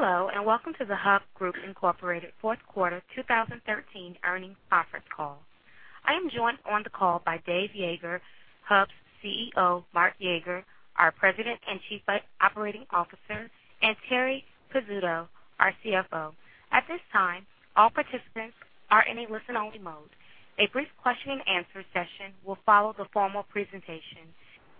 Hello, and welcome to the Hub Group Incorporated Fourth Quarter 2013 Earnings Conference Call. I am joined on the call by Dave Yeager, Hub's CEO, Mark Yeager, our President and Chief Operating Officer, and Terri Pizzuto, our CFO. At this time, all participants are in a listen-only mode. A brief question-and-answer session will follow the formal presentation.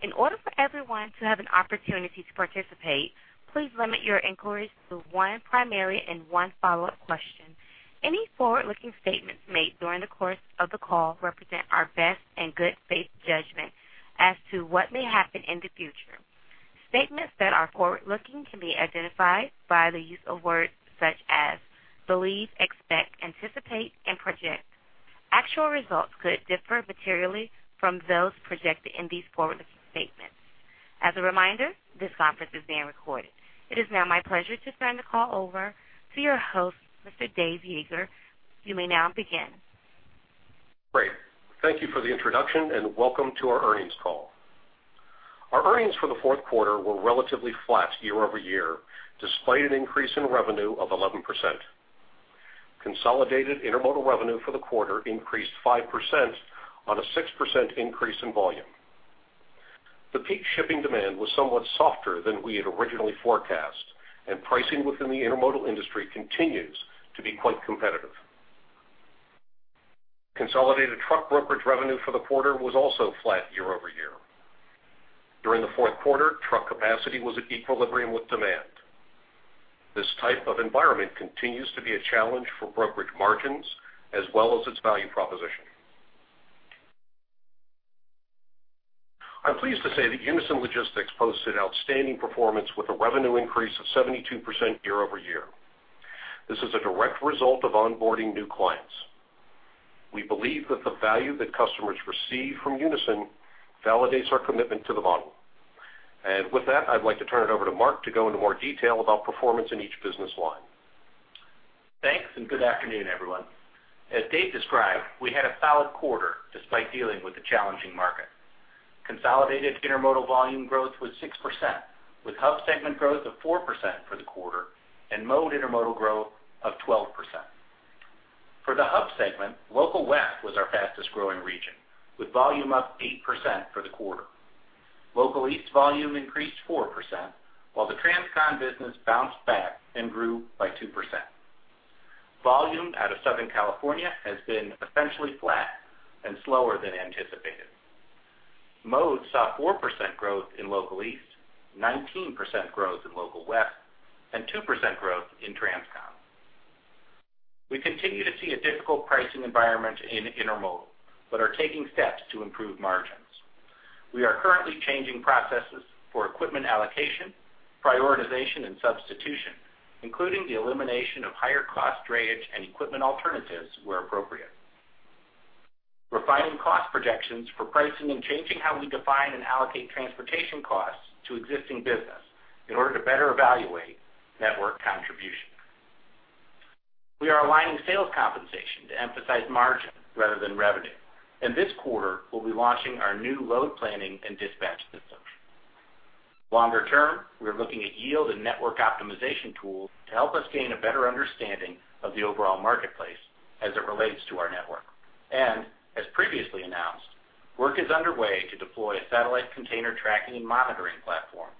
In order for everyone to have an opportunity to participate, please limit your inquiries to one primary and one follow-up question. Any forward-looking statements made during the course of the call represent our best and good faith judgment as to what may happen in the future. Statements that are forward-looking can be identified by the use of words such as believe, expect, anticipate, and project. Actual results could differ materially from those projected in these forward-looking statements. As a reminder, this conference is being recorded. It is now my pleasure to turn the call over to your host, Mr. Dave Yeager. You may now begin. Great. Thank you for the introduction, and welcome to our earnings call. Our earnings for the fourth quarter were relatively flat year-over-year, despite an increase in revenue of 11%. Consolidated intermodal revenue for the quarter increased 5% on a 6% increase in volume. The peak shipping demand was somewhat softer than we had originally forecast, and pricing within the intermodal industry continues to be quite competitive. Consolidated truck brokerage revenue for the quarter was also flat year-over-year. During the fourth quarter, truck capacity was at equilibrium with demand. This type of environment continues to be a challenge for brokerage margins as well as its value proposition. I'm pleased to say that Unyson Logistics posted outstanding performance with a revenue increase of 72% year-over-year. This is a direct result of onboarding new clients. We believe that the value that customers receive from Unyson validates our commitment to the model. With that, I'd like to turn it over to Mark to go into more detail about performance in each business line. Thanks, and good afternoon, everyone. As Dave described, we had a solid quarter despite dealing with a challenging market. Consolidated intermodal volume growth was 6%, with Hub segment growth of 4% for the quarter and Mode Intermodal growth of 12%. For the Hub segment, Local West was our fastest-growing region, with volume up 8% for the quarter. Local East volume increased 4%, while the Transcon business bounced back and grew by 2%. Volume out of Southern California has been essentially flat and slower than anticipated. Mode saw 4% growth in Local East, 19% growth in Local West, and 2% growth in Transcon. We continue to see a difficult pricing environment in intermodal but are taking steps to improve margins. We are currently changing processes for equipment allocation, prioritization, and substitution, including the elimination of higher-cost drayage and equipment alternatives where appropriate. We're refining cost projections for pricing and changing how we define and allocate transportation costs to existing business in order to better evaluate network contribution. We are aligning sales compensation to emphasize margin rather than revenue, and this quarter, we'll be launching our new load planning and dispatch system. Longer term, we are looking at yield and network optimization tools to help us gain a better understanding of the overall marketplace as it relates to our network. And as previously announced, work is underway to deploy a satellite container tracking and monitoring platform.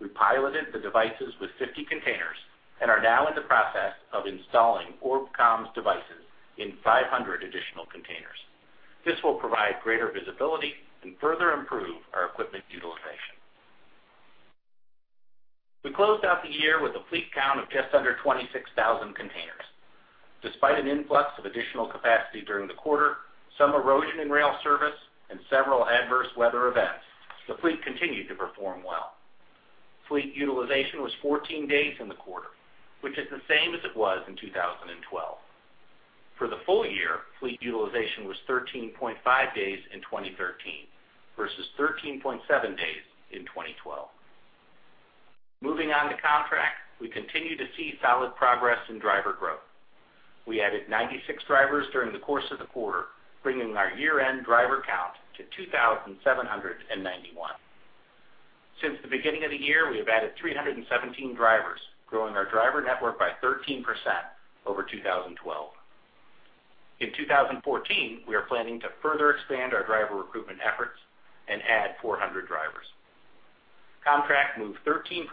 We piloted the devices with 50 containers and are now in the process of installing ORBCOMM's devices in 500 additional containers. This will provide greater visibility and further improve our equipment utilization. We closed out the year with a fleet count of just under 26,000 containers. Despite an influx of additional capacity during the quarter, some erosion in rail service, and several adverse weather events, the fleet continued to perform well. Fleet utilization was 14 days in the quarter, which is the same as it was in 2012. For the full year, fleet utilization was 13.5 days in 2013 versus 13.7 days in 2012. Moving on to Comtrak, we continue to see solid progress in driver growth. We added 96 drivers during the course of the quarter, bringing our year-end driver count to 2,791. Since the beginning of the year, we have added 317 drivers, growing our driver network by 13% over 2012. In 2014, we are planning to further expand our driver recruitment efforts and add 400 drivers. Comtrak moved 13%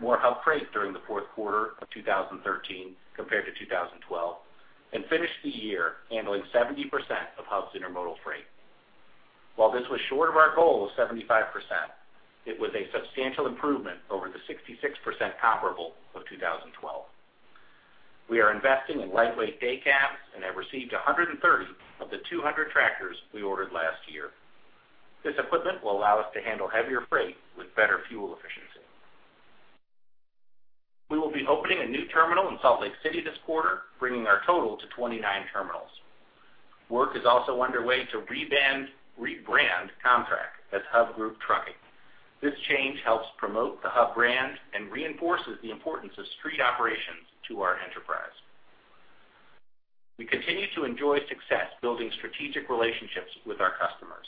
more Hub freight during the fourth quarter of 2013 compared to 2012, and finished the year handling 70% of Hub's intermodal freight. While this was short of our goal of 75%, it was a substantial improvement over the 66% comparable of 2012. We are investing in lightweight day cabs and have received 130 of the 200 tractors we ordered last year. This equipment will allow us to handle heavier freight with better fuel efficiency. We will be opening a new terminal in Salt Lake City this quarter, bringing our total to 29 terminals. Work is also underway to rebrand Comtrak as Hub Group Trucking. This change helps promote the Hub brand and reinforces the importance of street operations to our enterprise.... We continue to enjoy success building strategic relationships with our customers.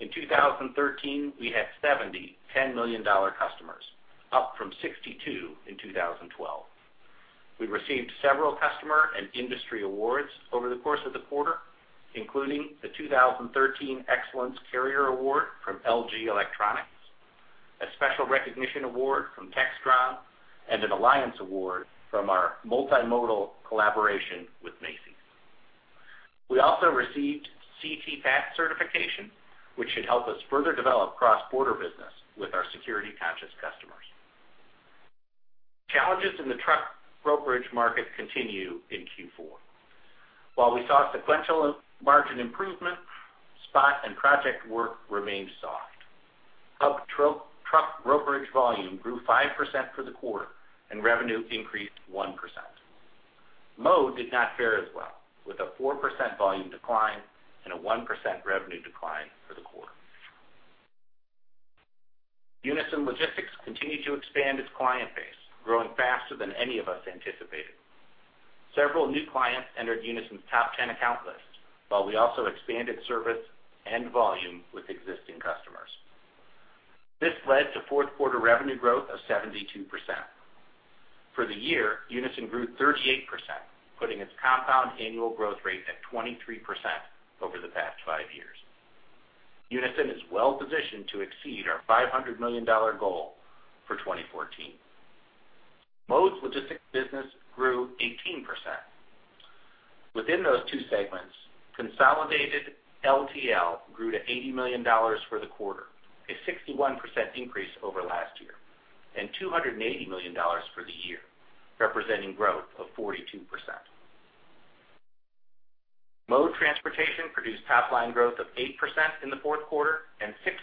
In 2013, we had 70 $10 million customers, up from 62 in 2012. We received several customer and industry awards over the course of the quarter, including the 2013 Excellence Carrier Award from LG Electronics, a special recognition award from Textron, and an Alliance Award from our multimodal collaboration with Macy's. We also received C-TPAT certification, which should help us further develop cross-border business with our security-conscious customers. Challenges in the truck brokerage market continued in Q4. While we saw sequential margin improvement, spot and project work remained soft. Hub truck, truck brokerage volume grew 5% for the quarter, and revenue increased 1%. Mode did not fare as well, with a 4% volume decline and a 1% revenue decline for the quarter. Unyson Logistics continued to expand its client base, growing faster than any of us anticipated. Several new clients entered Unyson's top 10 account list, while we also expanded service and volume with existing customers. This led to fourth quarter revenue growth of 72%. For the year, Unyson grew 38%, putting its compound annual growth rate at 23% over the past five years. Unyson is well positioned to exceed our $500 million goal for 2014. Mode's logistics business grew 18%. Within those two segments, consolidated LTL grew to $80 million for the quarter, a 61% increase over last year, and $280 million for the year, representing growth of 42%. Mode Transportation produced top-line growth of 8% in the fourth quarter and 6%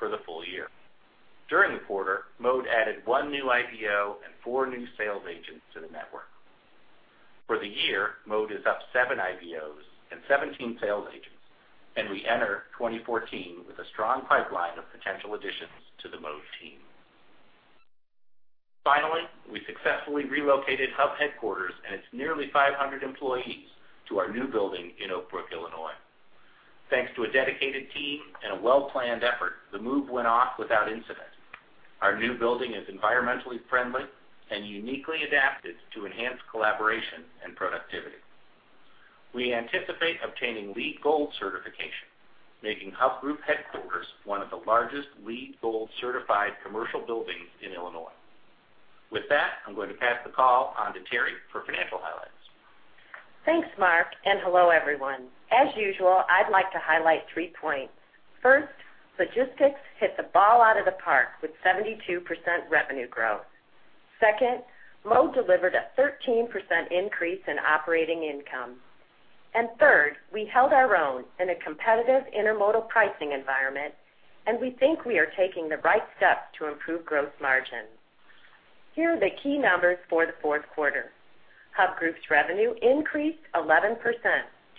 for the full year. During the quarter, Mode added one new IBO and four new sales agents to the network. For the year, Mode is up seven IBOs and 17 sales agents, and we enter 2014 with a strong pipeline of potential additions to the Mode team. Finally, we successfully relocated Hub headquarters and its nearly 500 employees to our new building in Oak Brook, Illinois. Thanks to a dedicated team and a well-planned effort, the move went off without incident. Our new building is environmentally friendly and uniquely adapted to enhance collaboration and productivity. We anticipate obtaining LEED Gold certification, making Hub Group Headquarters one of the largest LEED Gold-certified commercial buildings in Illinois. With that, I'm going to pass the call on to Terri for financial highlights. Thanks, Mark, and hello, everyone. As usual, I'd like to highlight three points. First, Logistics hit the ball out of the park with 72% revenue growth. Second, Mode delivered a 13% increase in operating income. And third, we held our own in a competitive intermodal pricing environment, and we think we are taking the right steps to improve gross margin. Here are the key numbers for the fourth quarter. Hub Group's revenue increased 11%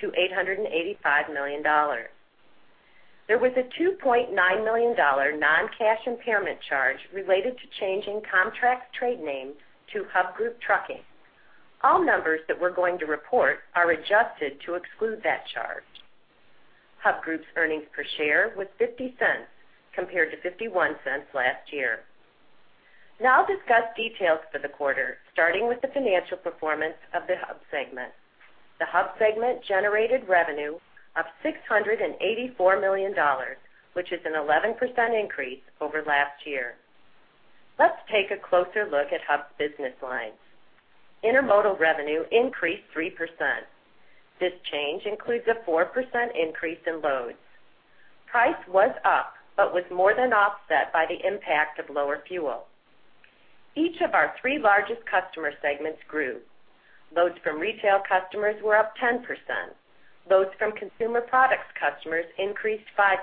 to $885 million. There was a $2.9 million non-cash impairment charge related to changing Comtrak trade names to Hub Group Trucking. All numbers that we're going to report are adjusted to exclude that charge. Hub Group's earnings per share was $0.50, compared to $0.51 last year. Now I'll discuss details for the quarter, starting with the financial performance of the Hub segment. The Hub segment generated revenue of $684 million, which is an 11% increase over last year. Let's take a closer look at Hub's business lines. Intermodal revenue increased 3%. This change includes a 4% increase in loads. Price was up, but was more than offset by the impact of lower fuel. Each of our three largest customer segments grew. Loads from retail customers were up 10%, loads from consumer products customers increased 5%,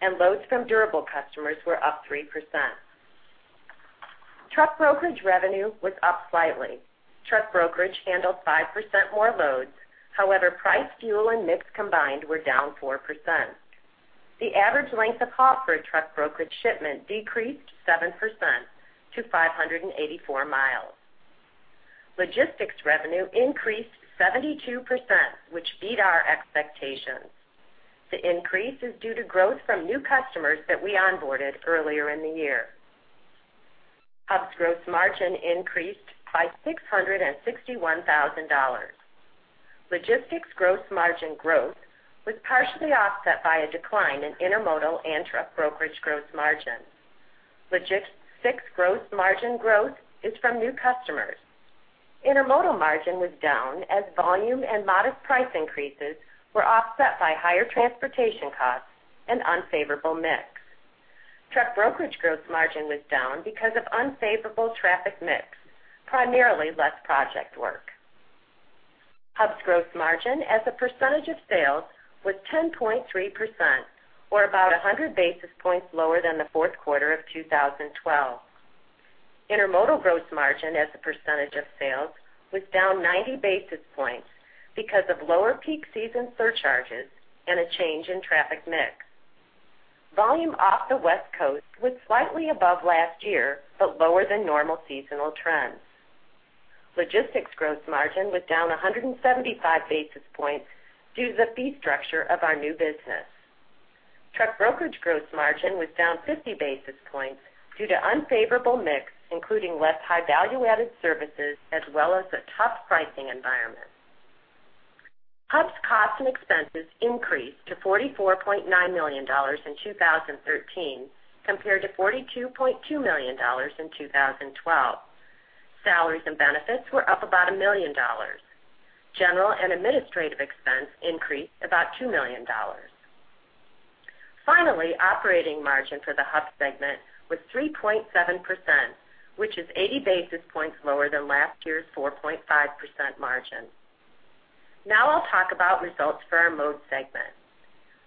and loads from durable customers were up 3%. Truck brokerage revenue was up slightly. Truck brokerage handled 5% more loads. However, price, fuel, and mix combined were down 4%. The average length of haul for a truck brokerage shipment decreased 7% to 584 miles. Logistics revenue increased 72%, which beat our expectations. The increase is due to growth from new customers that we onboarded earlier in the year. Hub's gross margin increased by $661,000. Logistics gross margin growth was partially offset by a decline in intermodal and truck brokerage gross margin. Logistics gross margin growth is from new customers. Intermodal margin was down, as volume and modest price increases were offset by higher transportation costs and unfavorable mix. Truck brokerage gross margin was down because of unfavorable traffic mix, primarily less project work. Hub's gross margin as a percentage of sales was 10.3%, or about 100 basis points lower than the fourth quarter of 2012. Intermodal gross margin as a percentage of sales was down 90 basis points because of lower peak season surcharges and a change in traffic mix. Volume off the West Coast was slightly above last year, but lower than normal seasonal trends. Logistics gross margin was down 175 basis points due to the fee structure of our new business. Truck brokerage gross margin was down 50 basis points due to unfavorable mix, including less high value-added services, as well as a tough pricing environment. Hub's costs and expenses increased to $44.9 million in 2013, compared to $42.2 million in 2012. Salaries and benefits were up about $1 million. General and administrative expense increased about $2 million. Finally, operating margin for the Hub segment was 3.7%, which is 80 basis points lower than last year's 4.5% margin. Now I'll talk about results for our Mode segment.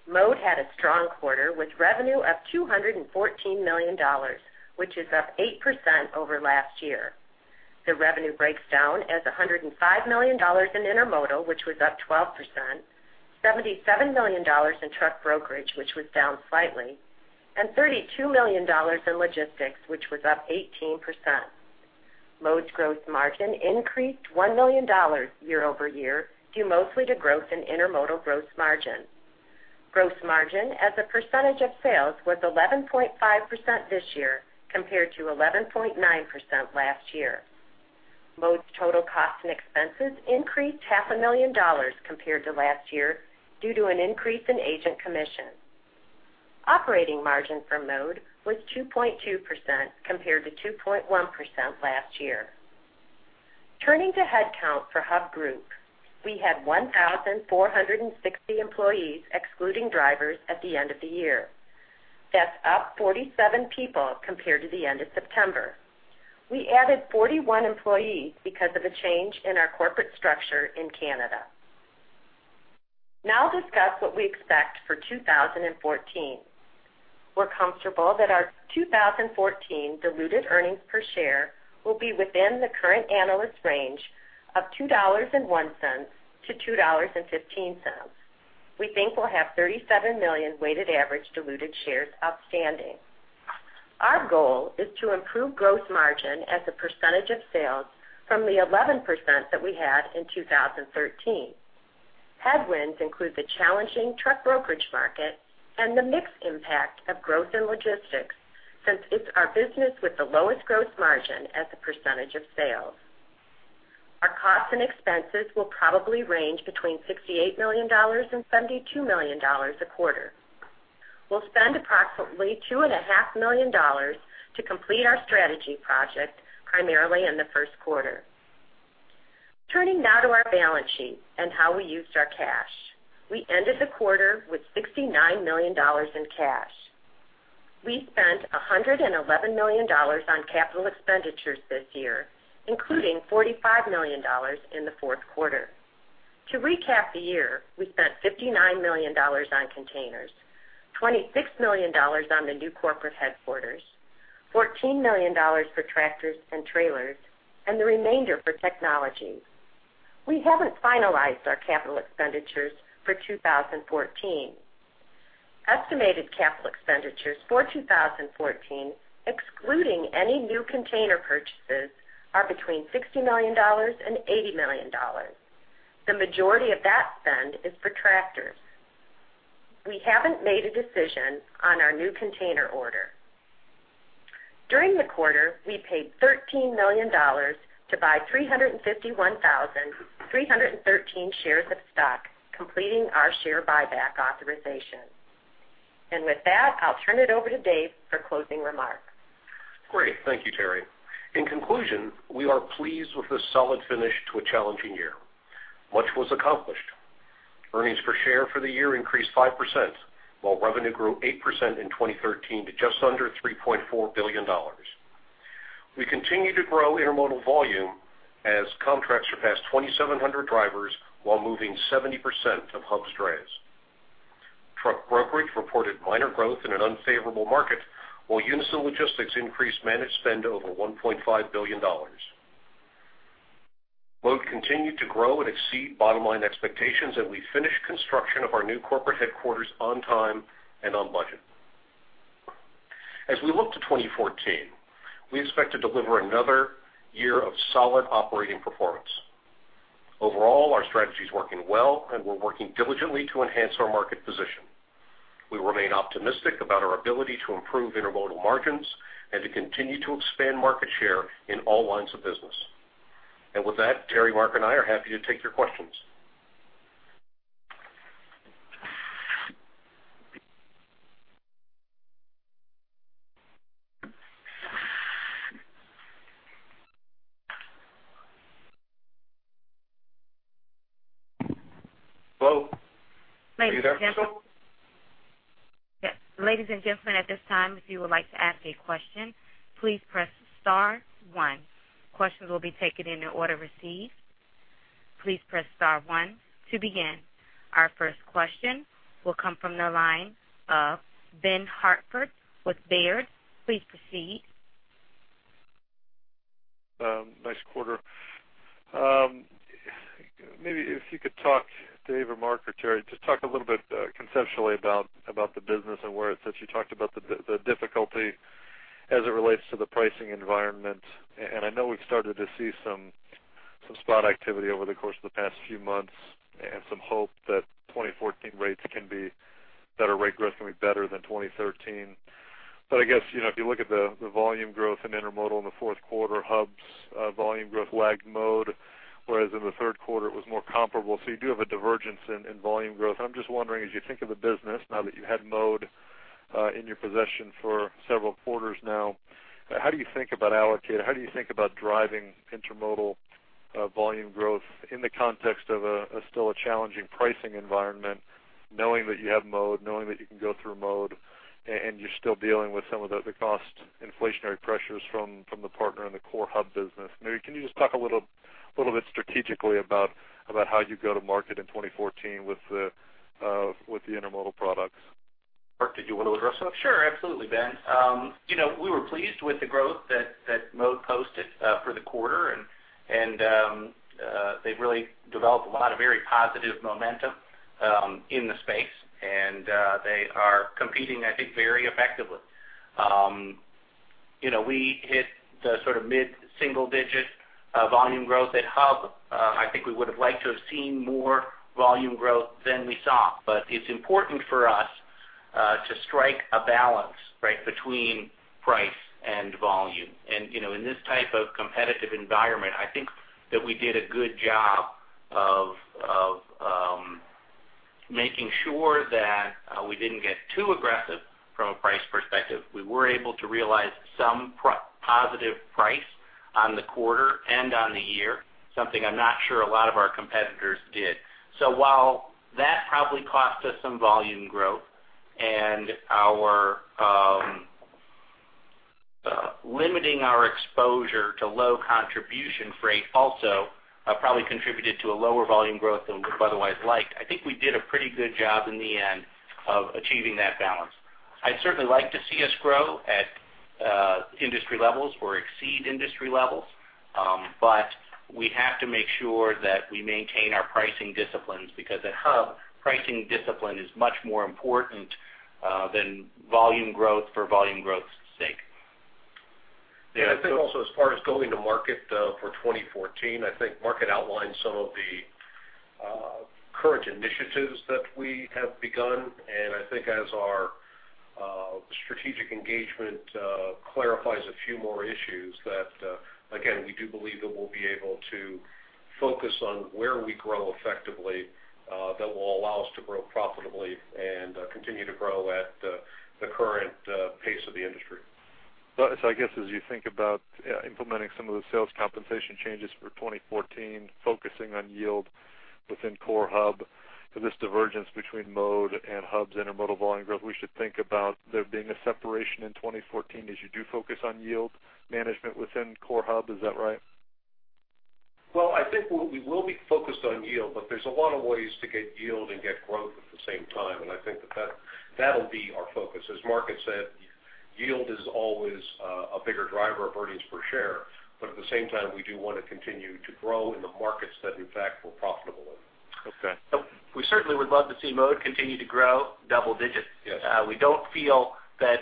Mode had a strong quarter, with revenue of $214 million, which is up 8% over last year. The revenue breaks down as $105 million in Intermodal, which was up 12%, $77 million in truck brokerage, which was down slightly, and $32 million in logistics, which was up 18%. Mode's gross margin increased $1 million year-over-year, due mostly to growth in Intermodal gross margin. Gross margin as a percentage of sales was 11.5% this year, compared to 11.9% last year. Mode's total costs and expenses increased $500,000 compared to last year due to an increase in agent commission. Operating margin for Mode was 2.2%, compared to 2.1% last year. Turning to headcount for Hub Group, we had 1,460 employees, excluding drivers, at the end of the year. That's up 47 people compared to the end of September. We added 41 employees because of a change in our corporate structure in Canada. Now I'll discuss what we expect for 2014. We're comfortable that our 2014 diluted earnings per share will be within the current analyst range of $2.01-$2.15. We think we'll have 37 million weighted average diluted shares outstanding. Our goal is to improve gross margin as a percentage of sales from the 11% that we had in 2013. Headwinds include the challenging truck brokerage market and the mixed impact of growth in logistics, since it's our business with the lowest gross margin as a percentage of sales. Our costs and expenses will probably range between $68 million and $72 million a quarter. We'll spend approximately $2.5 million to complete our strategy project, primarily in the first quarter. Turning now to our balance sheet and how we used our cash. We ended the quarter with $69 million in cash. We spent $111 million on capital expenditures this year, including $45 million in the fourth quarter. To recap the year, we spent $59 million on containers, $26 million on the new corporate headquarters, $14 million for tractors and trailers, and the remainder for technology. We haven't finalized our capital expenditures for 2014. Estimated capital expenditures for 2014, excluding any new container purchases, are between $60 million and $80 million. The majority of that spend is for tractors. We haven't made a decision on our new container order. During the quarter, we paid $13 million to buy 351,313 shares of stock, completing our share buyback authorization. And with that, I'll turn it over to Dave for closing remarks. Great. Thank you, Terri. In conclusion, we are pleased with this solid finish to a challenging year. Much was accomplished. Earnings per share for the year increased 5%, while revenue grew 8% in 2013 to just under $3.4 billion. We continue to grow intermodal volume as contracts surpassed 2,700 drivers while moving 70% of Hub's drayage. Truck brokerage reported minor growth in an unfavorable market, while Unyson Logistics increased managed spend over $1.5 billion. Mode continued to grow and exceed bottom-line expectations, and we finished construction of our new corporate headquarters on time and on budget. As we look to 2014, we expect to deliver another year of solid operating performance. Overall, our strategy is working well, and we're working diligently to enhance our market position. We remain optimistic about our ability to improve Intermodal margins and to continue to expand market share in all lines of business. With that, Terri, Mark, and I are happy to take your questions. Hello? Are you there? Ladies and gentlemen. Yes, ladies and gentlemen, at this time, if you would like to ask a question, please press star one. Questions will be taken in the order received. Please press star one to begin. Our first question will come from the line of Ben Hartford with Baird. Please proceed. Nice quarter. Maybe if you could talk, Dave or Mark or Terri, just talk a little bit conceptually about the business and where it's at. You talked about the difficulty as it relates to the pricing environment, and I know we've started to see some spot activity over the course of the past few months and some hope that 2014 rates can be better, rate growth can be better than 2013. But I guess, you know, if you look at the volume growth in intermodal in the fourth quarter, Hub's volume growth lagged Mode, whereas in the third quarter, it was more comparable. So you do have a divergence in volume growth. I'm just wondering, as you think of the business, now that you had Mode in your possession for several quarters now, how do you think about allocate? How do you think about driving intermodal volume growth in the context of a still challenging pricing environment, knowing that you have Mode, knowing that you can go through Mode, and you're still dealing with some of the cost inflationary pressures from the partner in the core Hub business? Maybe can you just talk a little bit strategically about how you go to market in 2014 with the intermodal products? Mark, did you want to address that? Sure, absolutely, Ben. You know, we were pleased with the growth that Mode posted for the quarter, and they've really developed a lot of very positive momentum in the space, and they are competing, I think, very effectively. You know, we hit the sort of mid-single digit volume growth at Hub. I think we would have liked to have seen more volume growth than we saw, but it's important for us to strike a balance, right, between price and volume. And you know, in this type of competitive environment, I think that we did a good job of making sure that we didn't get too aggressive from a price perspective. We were able to realize some positive price on the quarter and on the year, something I'm not sure a lot of our competitors did. So while that probably cost us some volume growth and our limiting our exposure to low contribution freight also probably contributed to a lower volume growth than we'd otherwise liked, I think we did a pretty good job in the end of achieving that balance. I'd certainly like to see us grow at industry levels or exceed industry levels, but we have to make sure that we maintain our pricing disciplines, because at Hub, pricing discipline is much more important than volume growth for volume growth's sake. And I think also, as far as going to market, for 2014, I think Mark outlined some of the current initiatives that we have begun. And I think as our strategic engagement clarifies a few more issues, that again, we do believe that we'll be able to focus on where we grow effectively, that will allow us to grow profitably and continue to grow at the current pace of the industry. So I guess, as you think about, yeah, implementing some of the sales compensation changes for 2014, focusing on yield within core Hub, so this divergence between Mode and Hub's, intermodal volume growth, we should think about there being a separation in 2014 as you do focus on yield management within core Hub. Is that right? Well, I think we, we will be focused on yield, but there's a lot of ways to get yield and get growth at the same time, and I think that that, that'll be our focus. As Mark had said, yield is always, a bigger driver of earnings per share. But at the same time, we do want to continue to grow in the markets that, in fact, we're profitable in. Okay. We certainly would love to see Mode continue to grow double digits. Yes. We don't feel that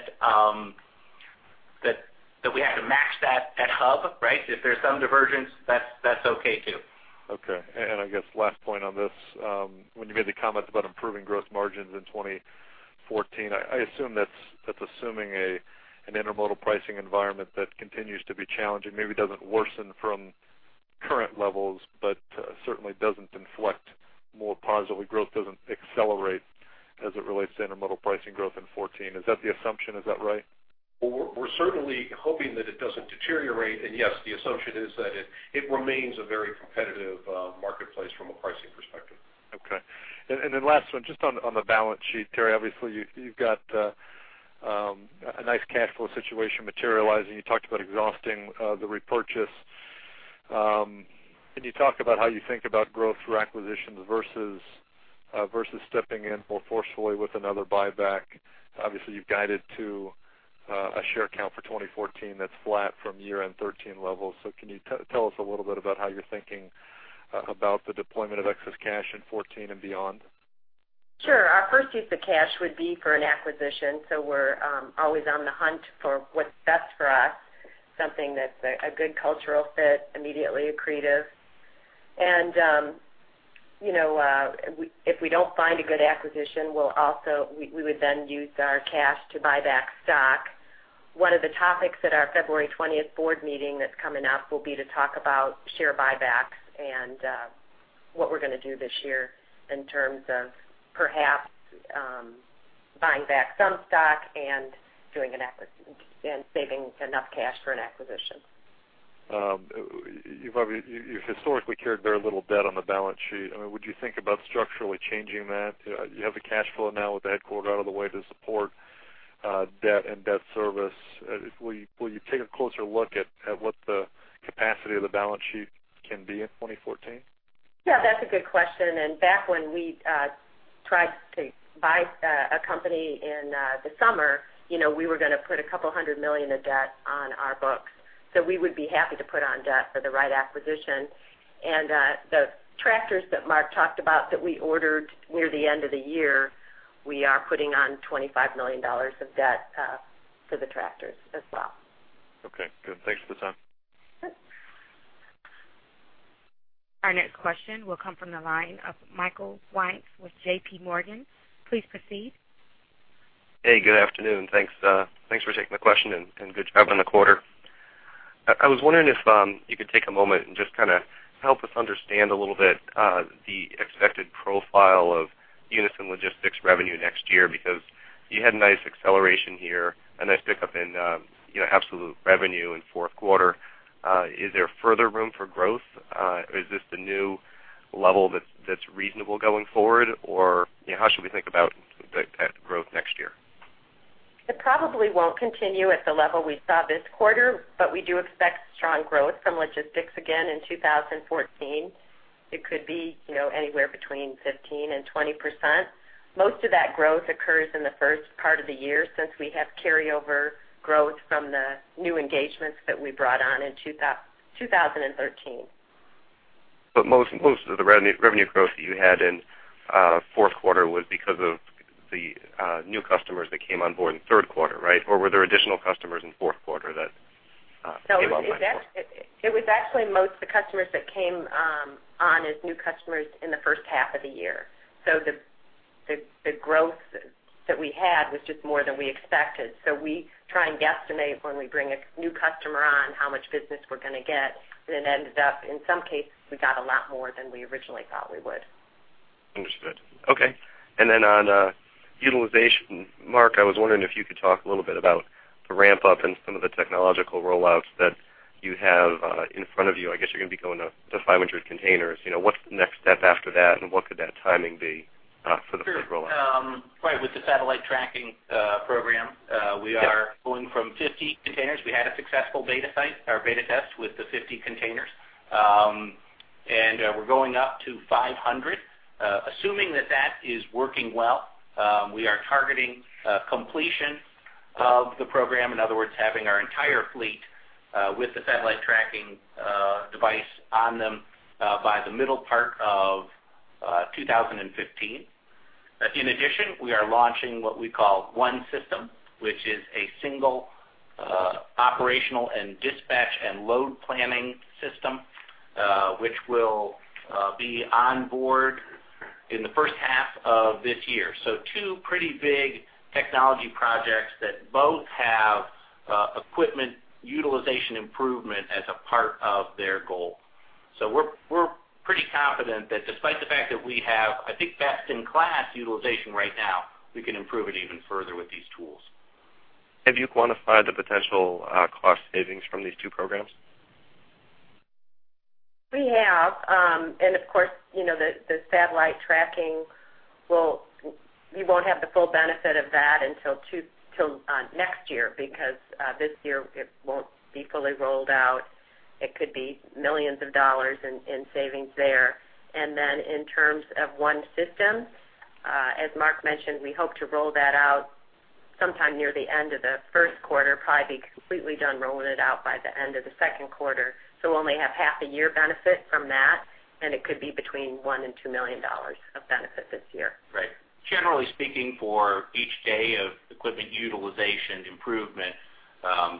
we have to match that at Hub, right? If there's some divergence, that's okay, too. Okay. And I guess last point on this, when you made the comment about improving growth margins in 2014, I assume that's assuming an intermodal pricing environment that continues to be challenging, maybe doesn't worsen from current levels, but certainly doesn't inflect more positively. Growth doesn't accelerate as it relates to intermodal pricing growth in 2014. Is that the assumption? Is that right? Well, we're certainly hoping that it doesn't deteriorate. Yes, the assumption is that it remains a very competitive marketplace from a pricing perspective. Okay. And, and then last one, just on, on the balance sheet, Terri, obviously, you've, you've got, a nice cash flow situation materializing. You talked about exhausting, the repurchase. Can you talk about how you think about growth through acquisitions versus, versus stepping in more forcefully with another buyback? Obviously, you've guided to, a share count for 2014 that's flat from year-end 2013 levels. So can you tell, tell us a little bit about how you're thinking, about the deployment of excess cash in 2014 and beyond? Sure. Our first use of cash would be for an acquisition, so we're always on the hunt for what's best for us, something that's a good cultural fit, immediately accretive. And, you know, if we don't find a good acquisition, we'll also—we would then use our cash to buy back stock. One of the topics at our February 20th board meeting that's coming up will be to talk about share buybacks and what we're going to do this year in terms of perhaps buying back some stock and doing an acquisition and saving enough cash for an acquisition. You've obviously historically carried very little debt on the balance sheet. I mean, would you think about structurally changing that? You have the cash flow now with the headquarters out of the way to support debt and debt service. Will you take a closer look at what the capacity of the balance sheet can be in 2014? Yeah, that's a good question. Back when we tried to buy a company in the summer, you know, we were gonna put a couple of $100 million of debt on our books, so we would be happy to put on debt for the right acquisition. And the tractors that Mark talked about that we ordered near the end of the year, we are putting on $25 million of debt for the tractors as well. Okay, good. Thanks for the time. Our next question will come from the line of Thomas Wadewitz with JPMorgan. Please proceed. Hey, good afternoon. Thanks, thanks for taking the question and good job on the quarter. I was wondering if you could take a moment and just kinda help us understand a little bit the expected profile of Unyson Logistics revenue next year, because you had a nice acceleration here, a nice pickup in you know absolute revenue in fourth quarter. Is there further room for growth? Is this the new level that's reasonable going forward? Or you know how should we think about the growth next year? It probably won't continue at the level we saw this quarter, but we do expect strong growth from Logistics again in 2014. It could be, you know, anywhere between 15% and 20%. Most of that growth occurs in the first part of the year, since we have carryover growth from the new engagements that we brought on in 2013. But most, most of the revenue, revenue growth that you had in fourth quarter was because of the new customers that came on board in third quarter, right? Or were there additional customers in fourth quarter that came on board? It was actually most the customers that came on as new customers in the first half of the year. So the growth that we had was just more than we expected. So we try and guesstimate when we bring a new customer on, how much business we're gonna get, and it ended up in some cases, we got a lot more than we originally thought we would. Understood. Okay. And then on utilization, Mark, I was wondering if you could talk a little bit about the ramp-up and some of the technological rollouts that you have in front of you. I guess you're gonna be going up to 500 containers. You know, what's the next step after that, and what could that timing be for the first rollout? Sure. Right. With the satellite tracking program. Yes we are going from 50 containers. We had a successful beta site, or beta test, with the 50 containers. And we're going up to 500. Assuming that that is working well, we are targeting completion of the program, in other words, having our entire fleet with the satellite tracking device on them by the middle part of 2015. In addition, we are launching what we call One System, which is a single operational and dispatch and load planning system, which will be on board in the first half of this year. So two pretty big technology projects that both have equipment utilization improvement as a part of their goal. We're pretty confident that despite the fact that we have, I think, best-in-class utilization right now, we can improve it even further with these tools. Have you quantified the potential, cost savings from these two programs? We have, and of course, you know, the satellite tracking will – we won't have the full benefit of that until next year, because this year, it won't be fully rolled out. It could be millions of dollars in savings there. And then in terms of One System, as Mark mentioned, we hope to roll that out sometime near the end of the first quarter, probably be completely done rolling it out by the end of the second quarter. So we'll only have half a year benefit from that, and it could be between $1 million and $2 million of benefit this year. Right. Generally speaking, for each day of equipment utilization improvement,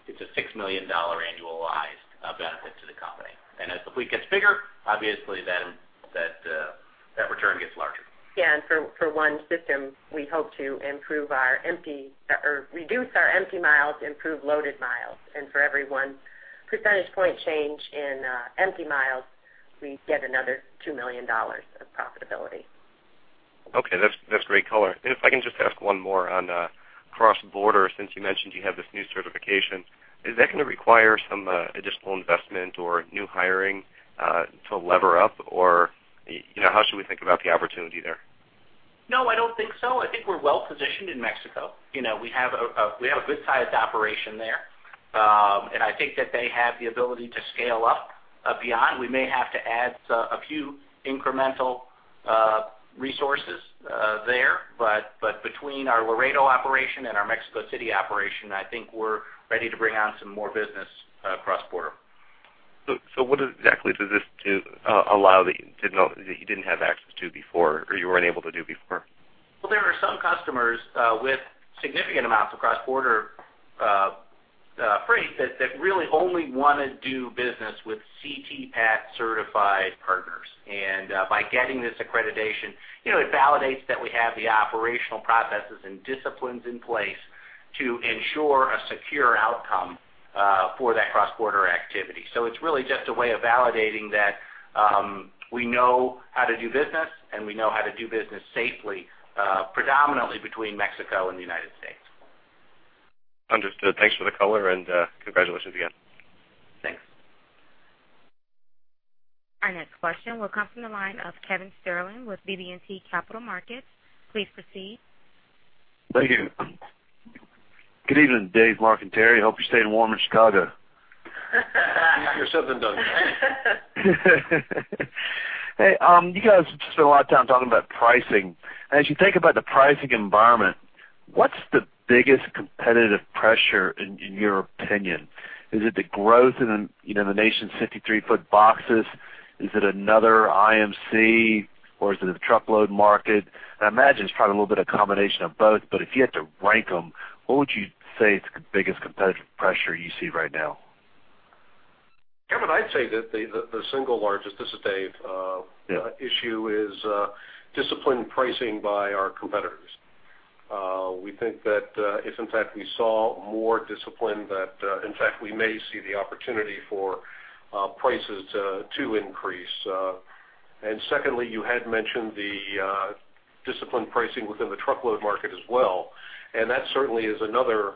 it's a $6 million annualized benefit to the company. And as the fleet gets bigger, obviously, then that return gets larger. Yeah, and for, for One System, we hope to improve our empty, or reduce our empty miles, improve loaded miles. And for every 1 percentage point change in empty miles, we get another $2 million of profitability. Okay, that's, that's great color. And if I can just ask one more on cross-border, since you mentioned you have this new certification. Is that gonna require some additional investment or new hiring to lever up? Or, you know, how should we think about the opportunity there? No, I don't think so. I think we're well positioned in Mexico. You know, we have a good-sized operation there. I think that they have the ability to scale up beyond. We may have to add a few incremental resources there, but between our Laredo operation and our Mexico City operation, I think we're ready to bring on some more business cross-border. So, what exactly does this do, allow that you did not, that you didn't have access to before or you weren't able to do before? Well, there are some customers with significant amounts of cross-border freight that really only want to do business with C-TPAT certified partners. And, by getting this accreditation, you know, it validates that we have the operational processes and disciplines in place to ensure a secure outcome for that cross-border activity. So it's really just a way of validating that, we know how to do business, and we know how to do business safely, predominantly between Mexico and the United States. Understood. Thanks for the color, and, congratulations again. Thanks. Our next question will come from the line of Kevin Sterling with BB&T Capital Markets. Please proceed. Thank you. Good evening, Dave, Mark, and Terri. Hope you're staying warm in Chicago. Hey, you guys spend a lot of time talking about pricing. As you think about the pricing environment, what's the biggest competitive pressure in your opinion? Is it the growth in, you know, the nation's 53-foot boxes? Is it another IMC, or is it the truckload market? I imagine it's probably a little bit of a combination of both, but if you had to rank them, what would you say is the biggest competitive pressure you see right now? Kevin, I'd say that the single largest, this is Dave. Yeah. The issue is, disciplined pricing by our competitors. We think that, if in fact, we saw more discipline, that, in fact, we may see the opportunity for, prices to increase. And secondly, you had mentioned the, disciplined pricing within the truckload market as well, and that certainly is another,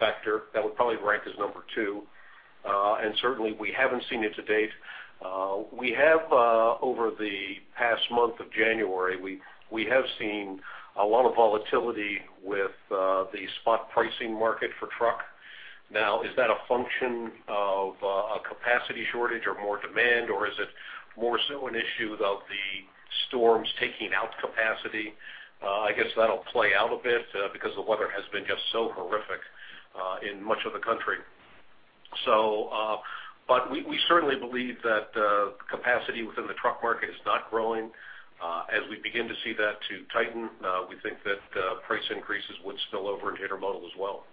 factor that would probably rank as number two. And certainly we haven't seen it to date. We have, over the past month of January, we have seen a lot of volatility with, the spot pricing market for truck. Now, is that a function of, a capacity shortage or more demand, or is it more so an issue of the storms taking out capacity? I guess that'll play out a bit, because the weather has been just so horrific, in much of the country. So, but we certainly believe that capacity within the truck market is not growing. As we begin to see that to tighten, we think that price increases would spill over into intermodal as well.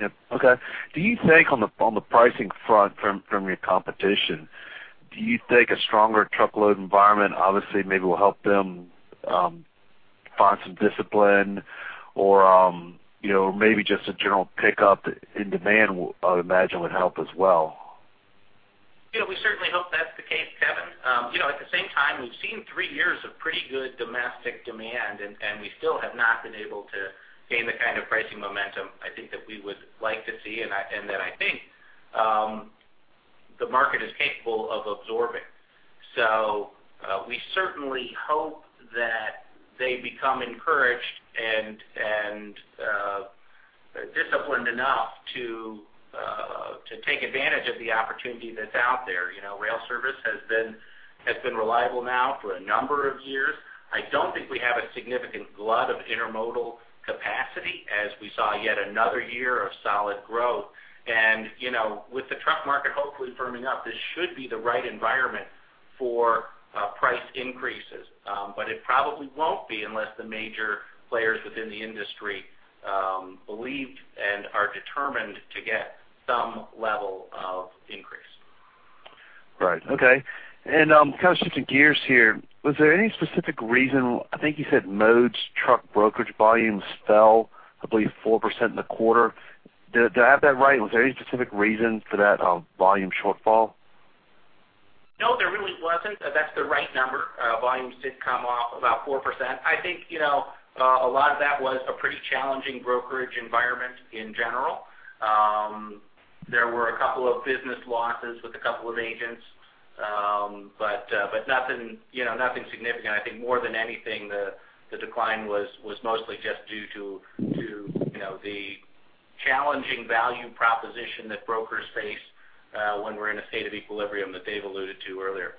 Yep. Okay. Do you think on the pricing front from your competition, do you think a stronger truckload environment, obviously, maybe will help them find some discipline or, you know, maybe just a general pickup in demand, I would imagine, would help as well? Yeah, we certainly hope that's the case, Kevin. You know, at the same time, we've seen three years of pretty good domestic demand, and we still have not been able to gain the kind of pricing momentum, I think that we would like to see, and that I think the market is capable of absorbing. So, we certainly hope that they become encouraged and disciplined enough to take advantage of the opportunity that's out there. You know, rail service has been reliable now for a number of years. I don't think we have a significant glut of intermodal capacity as we saw yet another year of solid growth. And, you know, with the truck market hopefully firming up, this should be the right environment for price increases. But it probably won't be unless the major players within the industry believe and are determined to get some level of increase. Right. Okay. And, kind of switching gears here, was there any specific reason? I think you said Mode's truck brokerage volumes fell, I believe, 4% in the quarter. Do I have that right? Was there any specific reason for that volume shortfall? No, there really wasn't. That's the right number. Volumes did come off about 4%. I think, you know, a lot of that was a pretty challenging brokerage environment in general. There were a couple of business losses with a couple of agents, but nothing, you know, nothing significant. I think more than anything, the decline was mostly just due to, you know, the challenging value proposition that brokers face, when we're in a state of equilibrium that Dave alluded to earlier.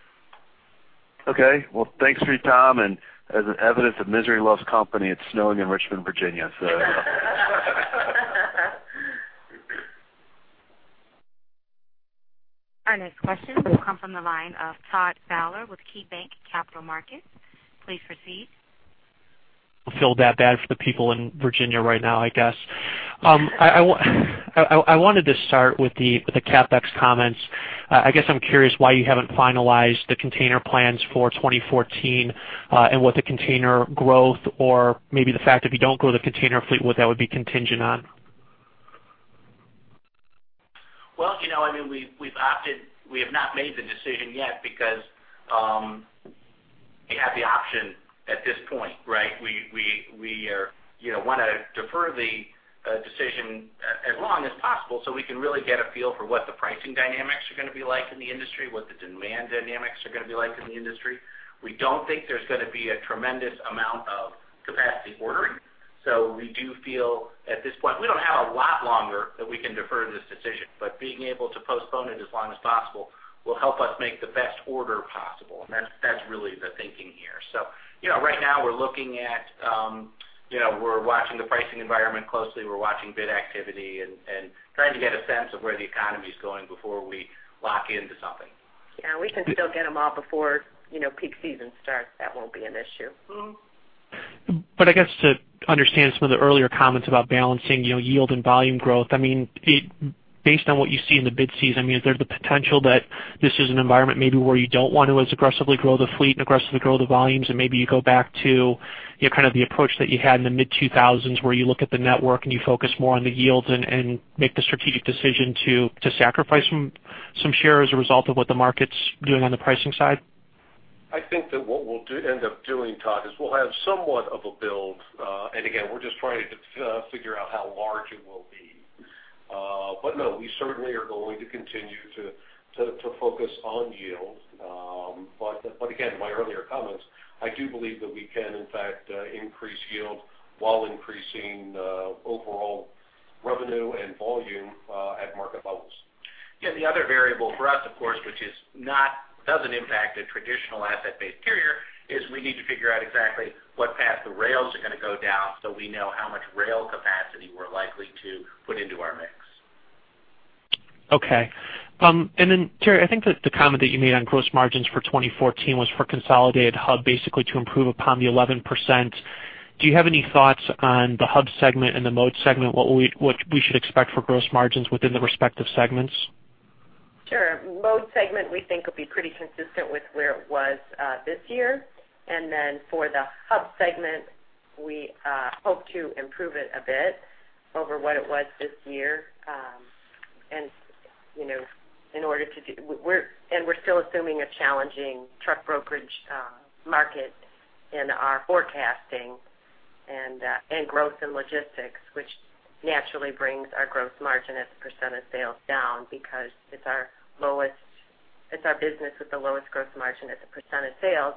Okay. Well, thanks for your time, and as evidence that misery loves company, it's snowing in Richmond, Virginia, so. Our next question will come from the line of Todd Fowler with KeyBanc Capital Markets. Please proceed. I feel that bad for the people in Virginia right now, I guess. I wanted to start with the CapEx comments. I guess I'm curious why you haven't finalized the container plans for 2014, and what the container growth, or maybe the fact that if you don't grow the container fleet, what that would be contingent on? Well, you know, I mean, we've opted, we have not made the decision yet because we have the option at this point, right? We are, you know, wanna defer the decision as long as possible, so we can really get a feel for what the pricing dynamics are gonna be like in the industry, what the demand dynamics are gonna be like in the industry. We don't think there's gonna be a tremendous amount of capacity ordering, so we do feel at this point, we don't have a lot longer that we can defer this decision. But being able to postpone it as long as possible will help us make the best order possible, and that's really the thinking here. You know, right now, we're looking at, you know, we're watching the pricing environment closely, we're watching bid activity and trying to get a sense of where the economy is going before we lock into something. Yeah, we can still get them all before, you know, peak season starts. That won't be an issue. Mm-hmm. But I guess to understand some of the earlier comments about balancing, you know, yield and volume growth, I mean, it, based on what you see in the bid season, I mean, is there the potential that this is an environment maybe where you don't want to as aggressively grow the fleet and aggressively grow the volumes, and maybe you go back to, you know, kind of the approach that you had in the mid-2000s, where you look at the network and you focus more on the yields and, and make the strategic decision to, to sacrifice some, some share as a result of what the market's doing on the pricing side? I think that what we'll do, end up doing, Todd, is we'll have somewhat of a build, and again, we're just trying to figure out how large it will be. But no, we certainly are going to continue to focus on yield. But again, my earlier comments, I do believe that we can, in fact, increase yield while increasing overall revenue and volume at market levels. Yeah, the other variable for us, of course, which is not, doesn't impact a traditional asset-based carrier, is we need to figure out exactly what path the rails are going to go down, so we know how much rail capacity we're likely to put into our mix. Okay. And then, Terri, I think that the comment that you made on gross margins for 2014 was for consolidated Hub, basically to improve upon the 11%. Do you have any thoughts on the Hub segment and the Mode segment, what we, what we should expect for gross margins within the respective segments? Sure. Mode segment, we think, will be pretty consistent with where it was this year. And then for the hub segment, we hope to improve it a bit over what it was this year. And, you know, we're still assuming a challenging truck brokerage market in our forecasting and growth in logistics, which naturally brings our gross margin as a percent of sales down because it's our lowest, it's our business with the lowest gross margin as a percent of sales,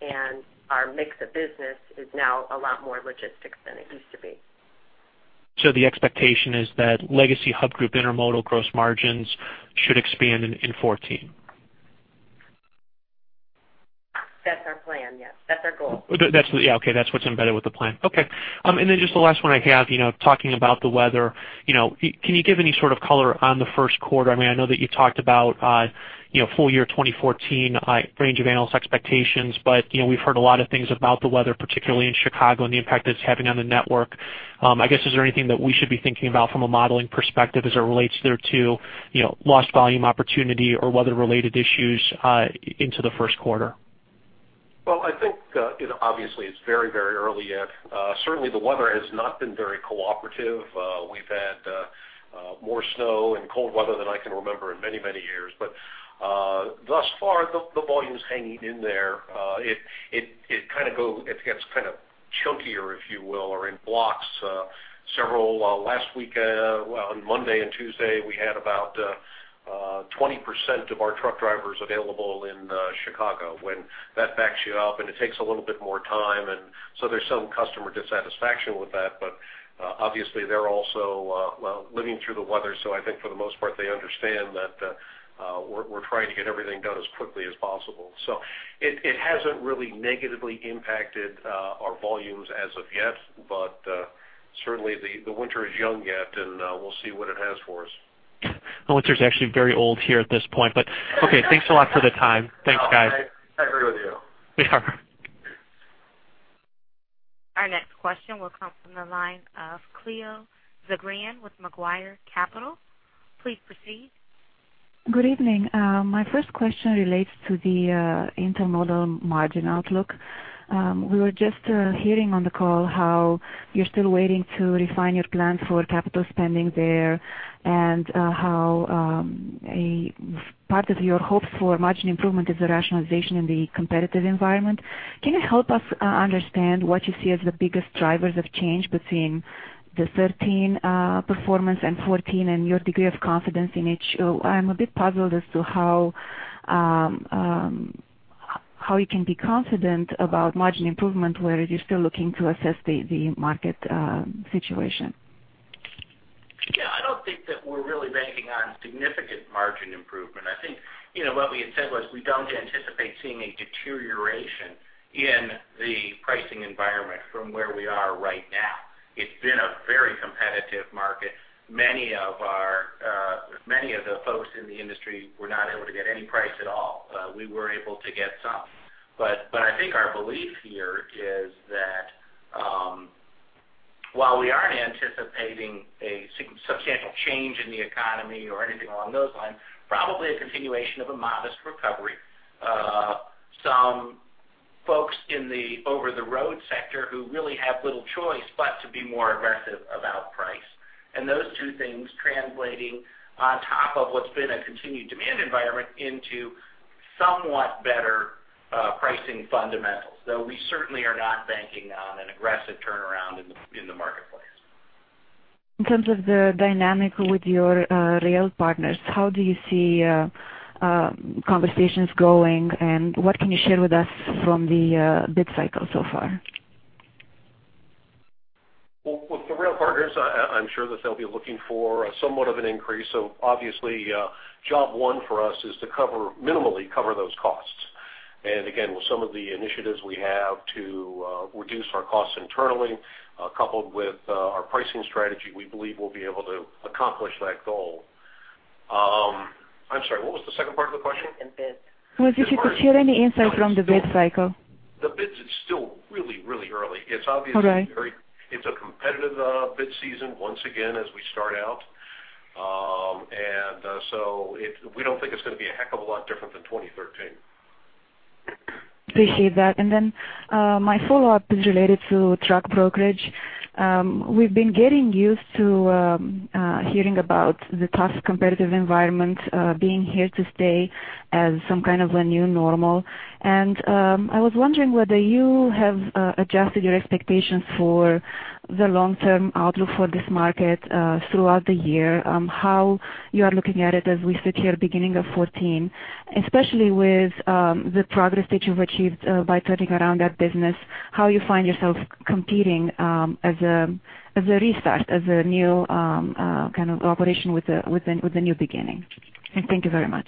and our mix of business is now a lot more logistics than it used to be. The expectation is that legacy Hub Group intermodal gross margins should expand in 2014? That's our plan, yes. That's our goal. That's, yeah, okay, that's what's embedded with the plan. Okay, and then just the last one I have, you know, talking about the weather. You know, can you give any sort of color on the first quarter? I mean, I know that you've talked about, you know, full year 2014, range of analyst expectations, but, you know, we've heard a lot of things about the weather, particularly in Chicago, and the impact it's having on the network. I guess, is there anything that we should be thinking about from a modeling perspective as it relates there to, you know, lost volume opportunity or weather-related issues, into the first quarter? Well, I think, you know, obviously, it's very, very early yet. Certainly the weather has not been very cooperative. We've had more snow and cold weather than I can remember in many, many years. But thus far, the volume's hanging in there. It kind of gets kind of chunkier, if you will, or in blocks. Several last week, on Monday and Tuesday, we had about 20% of our truck drivers available in Chicago. When that backs you up, and it takes a little bit more time, and so there's some customer dissatisfaction with that. But obviously, they're also, well, living through the weather, so I think for the most part, they understand that, we're trying to get everything done as quickly as possible. So it hasn't really negatively impacted our volumes as of yet, but certainly the winter is young yet, and we'll see what it has for us. The winter is actually very old here at this point, but okay, thanks a lot for the time. Thanks, guys. I agree with you. We are. Our next question will come from the line of Cleo Zagrean with Macquarie Capital. Please proceed. Good evening. My first question relates to the intermodal margin outlook. We were just hearing on the call how you're still waiting to refine your plan for capital spending there and how a part of your hope for margin improvement is the rationalization in the competitive environment. Can you help us understand what you see as the biggest drivers of change between the 13 performance and 14, and your degree of confidence in each? So I'm a bit puzzled as to how you can be confident about margin improvement, whereas you're still looking to assess the market situation. Yeah, I don't think that we're really banking on significant margin improvement. I think, you know, what we had said was we don't anticipate seeing a deterioration in the pricing environment from where we are right now. It's been a very competitive market. Many of our, many of the folks in the industry were not able to get any price at all. We were able to get some. But I think our belief here is that, while we aren't anticipating a substantial change in the economy or anything along those lines, probably a continuation of a modest recovery. Some folks in the over-the-road sector who really have little choice but to be more aggressive about price. And those two things translating on top of what's been a continued demand environment into somewhat better, pricing fundamentals, though we certainly are not banking on an aggressive turnaround in the marketplace. In terms of the dynamic with your rail partners, how do you see conversations going, and what can you share with us from the bid cycle so far? Well, with the rail partners, I'm sure that they'll be looking for somewhat of an increase. So obviously, job one for us is to cover, minimally cover those costs. And again, with some of the initiatives we have to, reduce our costs internally, coupled with, our pricing strategy, we believe we'll be able to accomplish that goal. I'm sorry, what was the second part of the question? The bids. If you could share any insight from the bid cycle. The bids, it's still really, really early. All right. It's obviously a very competitive bid season once again, as we start out. So we don't think it's going to be a heck of a lot different than 2013. Appreciate that. Then, my follow-up is related to truck brokerage. We've been getting used to hearing about the tough competitive environment being here to stay as some kind of a new normal. I was wondering whether you have adjusted your expectations for... the long-term outlook for this market, throughout the year, how you are looking at it as we sit here beginning of 2014, especially with the progress that you've achieved by turning around that business, how you find yourself competing as a restart, as a new kind of operation with a new beginning? And thank you very much.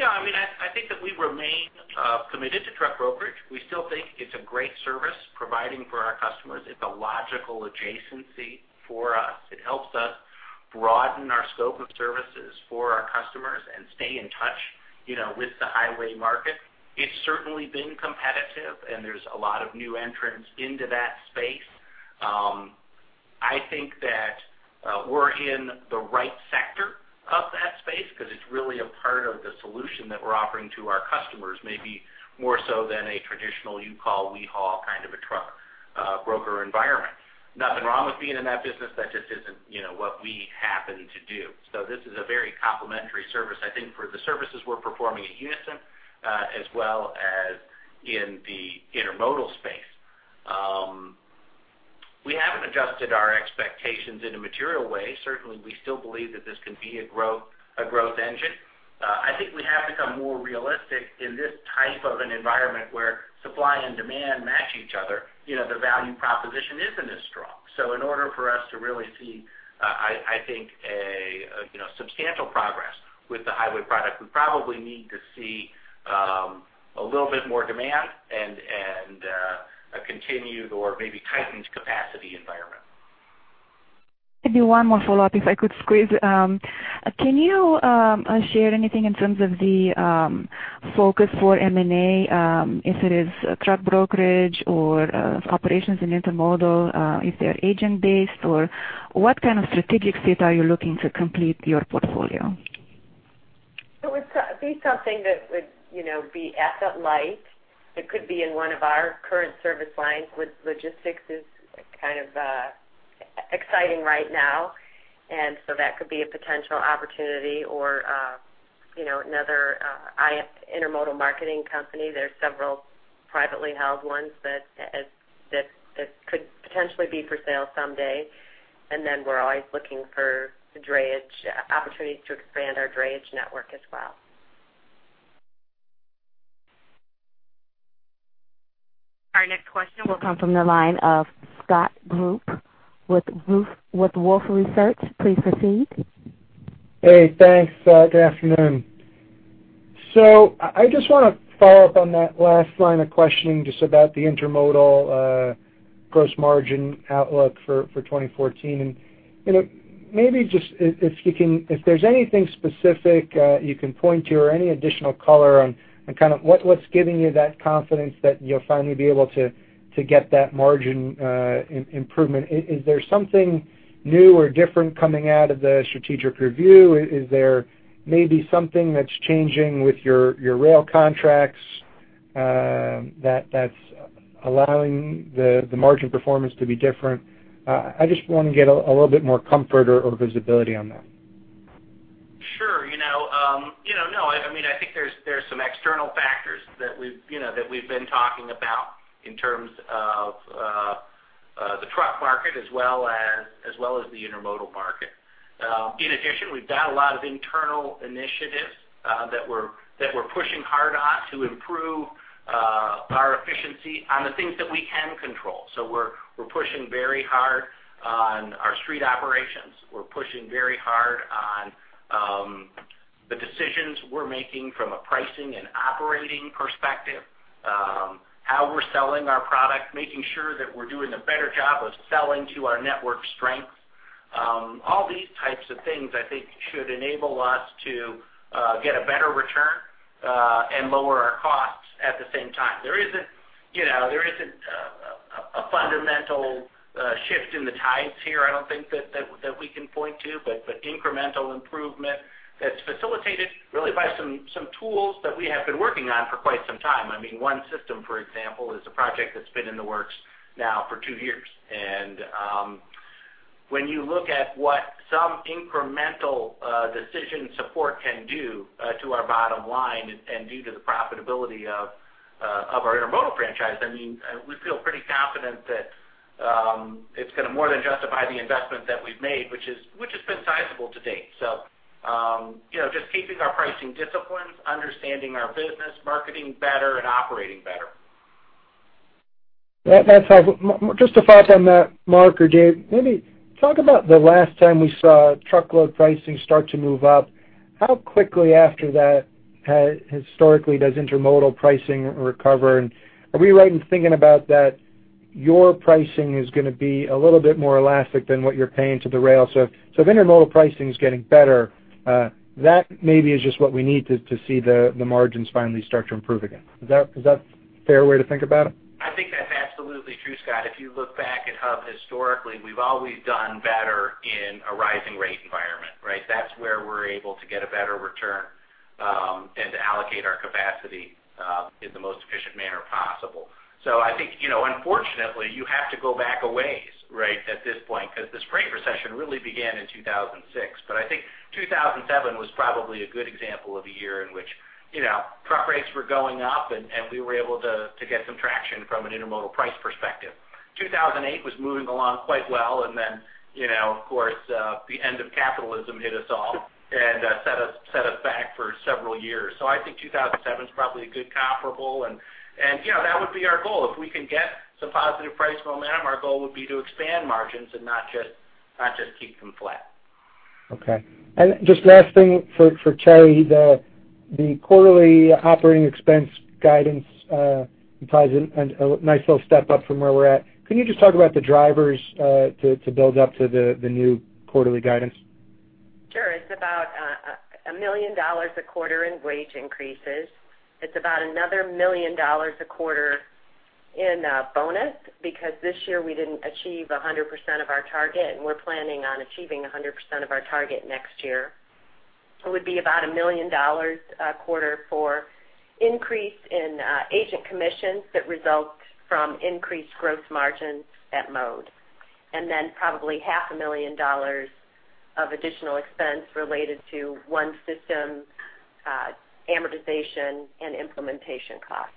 Yeah, I mean, I think that we remain committed to truck brokerage. We still think it's a great service providing for our customers. It's a logical adjacency for us. It helps us broaden our scope of services for our customers and stay in touch, you know, with the highway market. It's certainly been competitive, and there's a lot of new entrants into that space. I think that we're in the right sector of that space because it's really a part of the solution that we're offering to our customers, maybe more so than a traditional you call, we haul kind of a truck broker environment. Nothing wrong with being in that business, that just isn't, you know, what we happen to do. So this is a very complementary service, I think, for the services we're performing at Unyson, as well as in the intermodal space. We haven't adjusted our expectations in a material way. Certainly, we still believe that this can be a growth, a growth engine. I think we have become more realistic in this type of an environment where supply and demand match each other, you know, the value proposition isn't as strong. So in order for us to really see, I think, you know, substantial progress with the highway product, we probably need to see a little bit more demand and a continued or maybe tightened capacity environment. Maybe one more follow-up, if I could squeeze. Can you share anything in terms of the focus for M&A, if it is truck brokerage or operations in intermodal, if they're agent-based, or what kind of strategic fit are you looking to complete your portfolio? It would be something that would, you know, be asset-light. It could be in one of our current service lines with logistics is kind of exciting right now, and so that could be a potential opportunity or, you know, another intermodal marketing company. There are several privately held ones that that could potentially be for sale someday. And then we're always looking for drayage opportunities to expand our drayage network as well. Our next question will come from the line of Scott Group with Wolfe Research. Please proceed. Hey, thanks. Good afternoon. So I just want to follow up on that last line of questioning, just about the intermodal gross margin outlook for 2014. And, you know, maybe just if you can—if there's anything specific you can point to or any additional color on kind of what what's giving you that confidence that you'll finally be able to get that margin improvement. Is there something new or different coming out of the strategic review? Is there maybe something that's changing with your rail contracts that that's allowing the margin performance to be different? I just want to get a little bit more comfort or visibility on that. Sure. You know, no, I mean, I think there's some external factors that we've been talking about in terms of the truck market as well as the intermodal market. In addition, we've got a lot of internal initiatives that we're pushing hard on to improve our efficiency on the things that we can control. So we're pushing very hard on our street operations. We're pushing very hard on the decisions we're making from a pricing and operating perspective, how we're selling our product, making sure that we're doing a better job of selling to our network strength. All these types of things, I think, should enable us to get a better return and lower our costs at the same time. There isn't, you know, there isn't a fundamental shift in the tides here, I don't think that we can point to, but incremental improvement that's facilitated really by some tools that we have been working on for quite some time. I mean, One System, for example, is a project that's been in the works now for two years. And when you look at what some incremental decision support can do to our bottom line and to the profitability of our intermodal franchise, I mean, we feel pretty confident that it's going to more than justify the investment that we've made, which has been sizable to date. So, you know, just keeping our pricing disciplines, understanding our business, marketing better, and operating better. Just to follow up on that, Mark or Dave, maybe talk about the last time we saw truckload pricing start to move up. How quickly after that historically does intermodal pricing recover? And are we right in thinking about that your pricing is going to be a little bit more elastic than what you're paying to the rail? So, if intermodal pricing is getting better, that maybe is just what we need to see the margins finally start to improve again. Is that a fair way to think about it? Absolutely true, Scott. If you look back at Hub historically, we've always done better in a rising rate environment, right? That's where we're able to get a better return, and to allocate our capacity in the most efficient manner possible. So I think, you know, unfortunately, you have to go back a ways, right, at this point, 'cause this freight recession really began in 2006. But I think 2007 was probably a good example of a year in which, you know, truck rates were going up, and we were able to get some traction from an intermodal price perspective. 2008 was moving along quite well, and then, you know, of course, the end of capitalism hit us all and set us back for several years. I think 2007 is probably a good comparable, and, you know, that would be our goal. If we can get some positive price momentum, our goal would be to expand margins and not just, not just keep them flat. Okay. And just last thing for Terri, the quarterly operating expense guidance implies a nice little step up from where we're at. Can you just talk about the drivers to build up to the new quarterly guidance? Sure. It's about $1 million a quarter in wage increases. It's about another $1 million a quarter in bonus, because this year we didn't achieve 100% of our target, and we're planning on achieving 100% of our target next year. It would be about $1 million a quarter for increase in agent commissions that result from increased gross margins at Mode, and then probably $500,000 of additional expense related to One System amortization and implementation costs.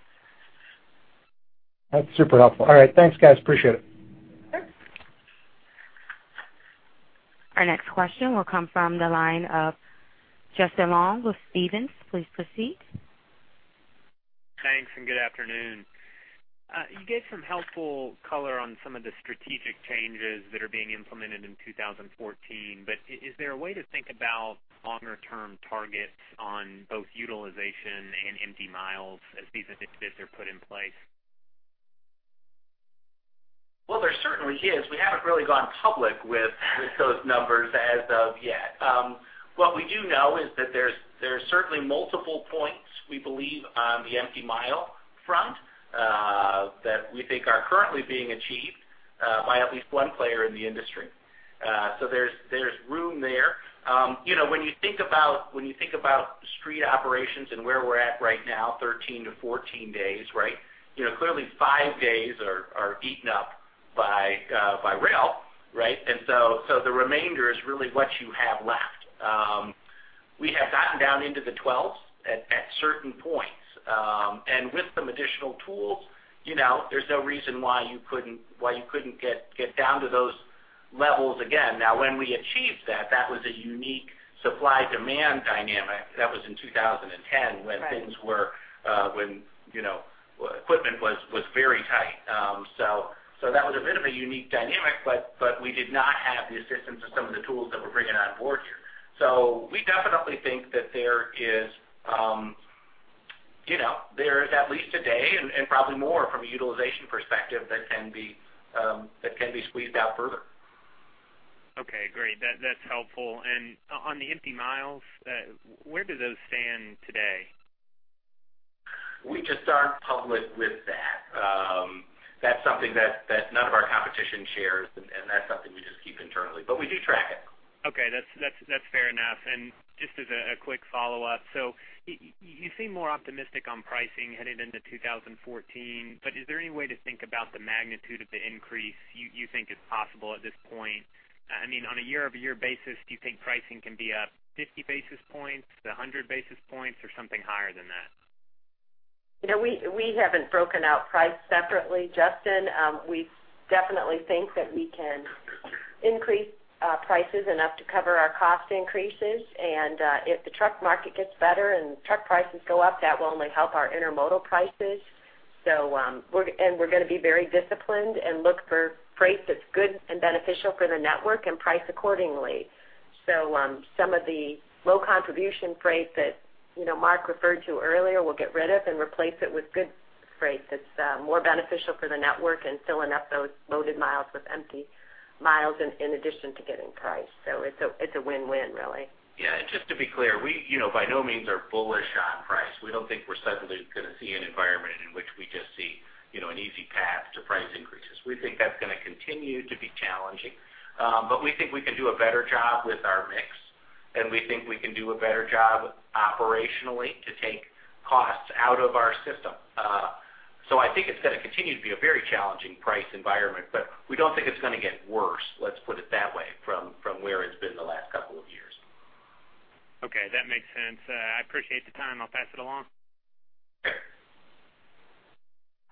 That's super helpful. All right, thanks, guys. Appreciate it. Sure. Our next question will come from the line of Justin Long with Stephens. Please proceed. Thanks, and good afternoon. You gave some helpful color on some of the strategic changes that are being implemented in 2014, but is there a way to think about longer term targets on both utilization and empty miles as these initiatives are put in place? Well, there certainly is. We haven't really gone public with those numbers as of yet. What we do know is that there's certainly multiple points we believe on the empty mile front that we think are currently being achieved by at least one player in the industry. So there's room there. You know, when you think about street operations and where we're at right now, 13-14 days, right? You know, clearly, 5 days are eaten up by rail, right? And so the remainder is really what you have left. We have gotten down into the 12s at certain points, and with some additional tools, you know, there's no reason why you couldn't get down to those levels again. Now, when we achieved that, that was a unique supply-demand dynamic. That was in 2010- Right. When things were, you know, equipment was very tight. So that was a bit of a unique dynamic, but we did not have the assistance of some of the tools that we're bringing on board here. So we definitely think that there is, you know, there is at least a day and probably more from a utilization perspective that can be squeezed out further. Okay, great. That's helpful. And on the empty miles, where do those stand today? We just aren't public with that. That's something that none of our competition shares, and that's something we just keep internally, but we do track it. Okay, that's fair enough. And just as a quick follow-up, so you seem more optimistic on pricing headed into 2014, but is there any way to think about the magnitude of the increase you think is possible at this point? I mean, on a year-over-year basis, do you think pricing can be up 50 basis points to 100 basis points or something higher than that? You know, we haven't broken out price separately, Justin. We definitely think that we can increase prices enough to cover our cost increases. And if the truck market gets better and truck prices go up, that will only help our intermodal prices. So, we're gonna be very disciplined and look for freight that's good and beneficial for the network and price accordingly. So, some of the low contribution freight that, you know, Mark referred to earlier, we'll get rid of and replace it with good freight that's more beneficial for the network and filling up those loaded miles with empty miles in addition to getting price. So it's a win-win, really. Yeah, and just to be clear, we, you know, by no means are bullish on price. We don't think we're suddenly gonna see an environment in which we just see, you know, an easy path to price increases. We think that's gonna continue to be challenging, but we think we can do a better job with our mix, and we think we can do a better job operationally to take costs out of our system. So I think it's gonna continue to be a very challenging price environment, but we don't think it's gonna get worse, let's put it that way, from, from where it's been the last couple of years. Okay, that makes sense. I appreciate the time. I'll pass it along. Sure.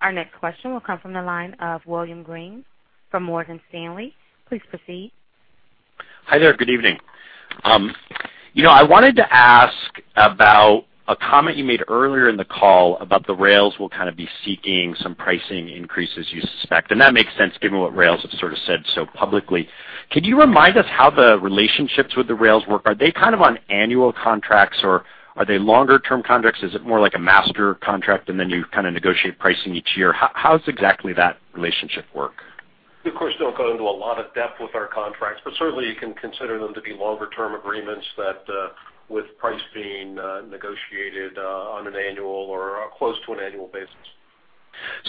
Our next question will come from the line of William Greene from Morgan Stanley. Please proceed. Hi there. Good evening. You know, I wanted to ask about a comment you made earlier in the call about the rails will kind of be seeking some pricing increases you suspect, and that makes sense given what rails have sort of said so publicly. Can you remind us how the relationships with the rails work? Are they kind of on annual contracts, or are they longer-term contracts? Is it more like a master contract, and then you kind of negotiate pricing each year? How does exactly that relationship work? we, of course, don't go into a lot of depth with our contracts, but certainly you can consider them to be longer-term agreements that, with price being, negotiated, on an annual or close to an annual basis.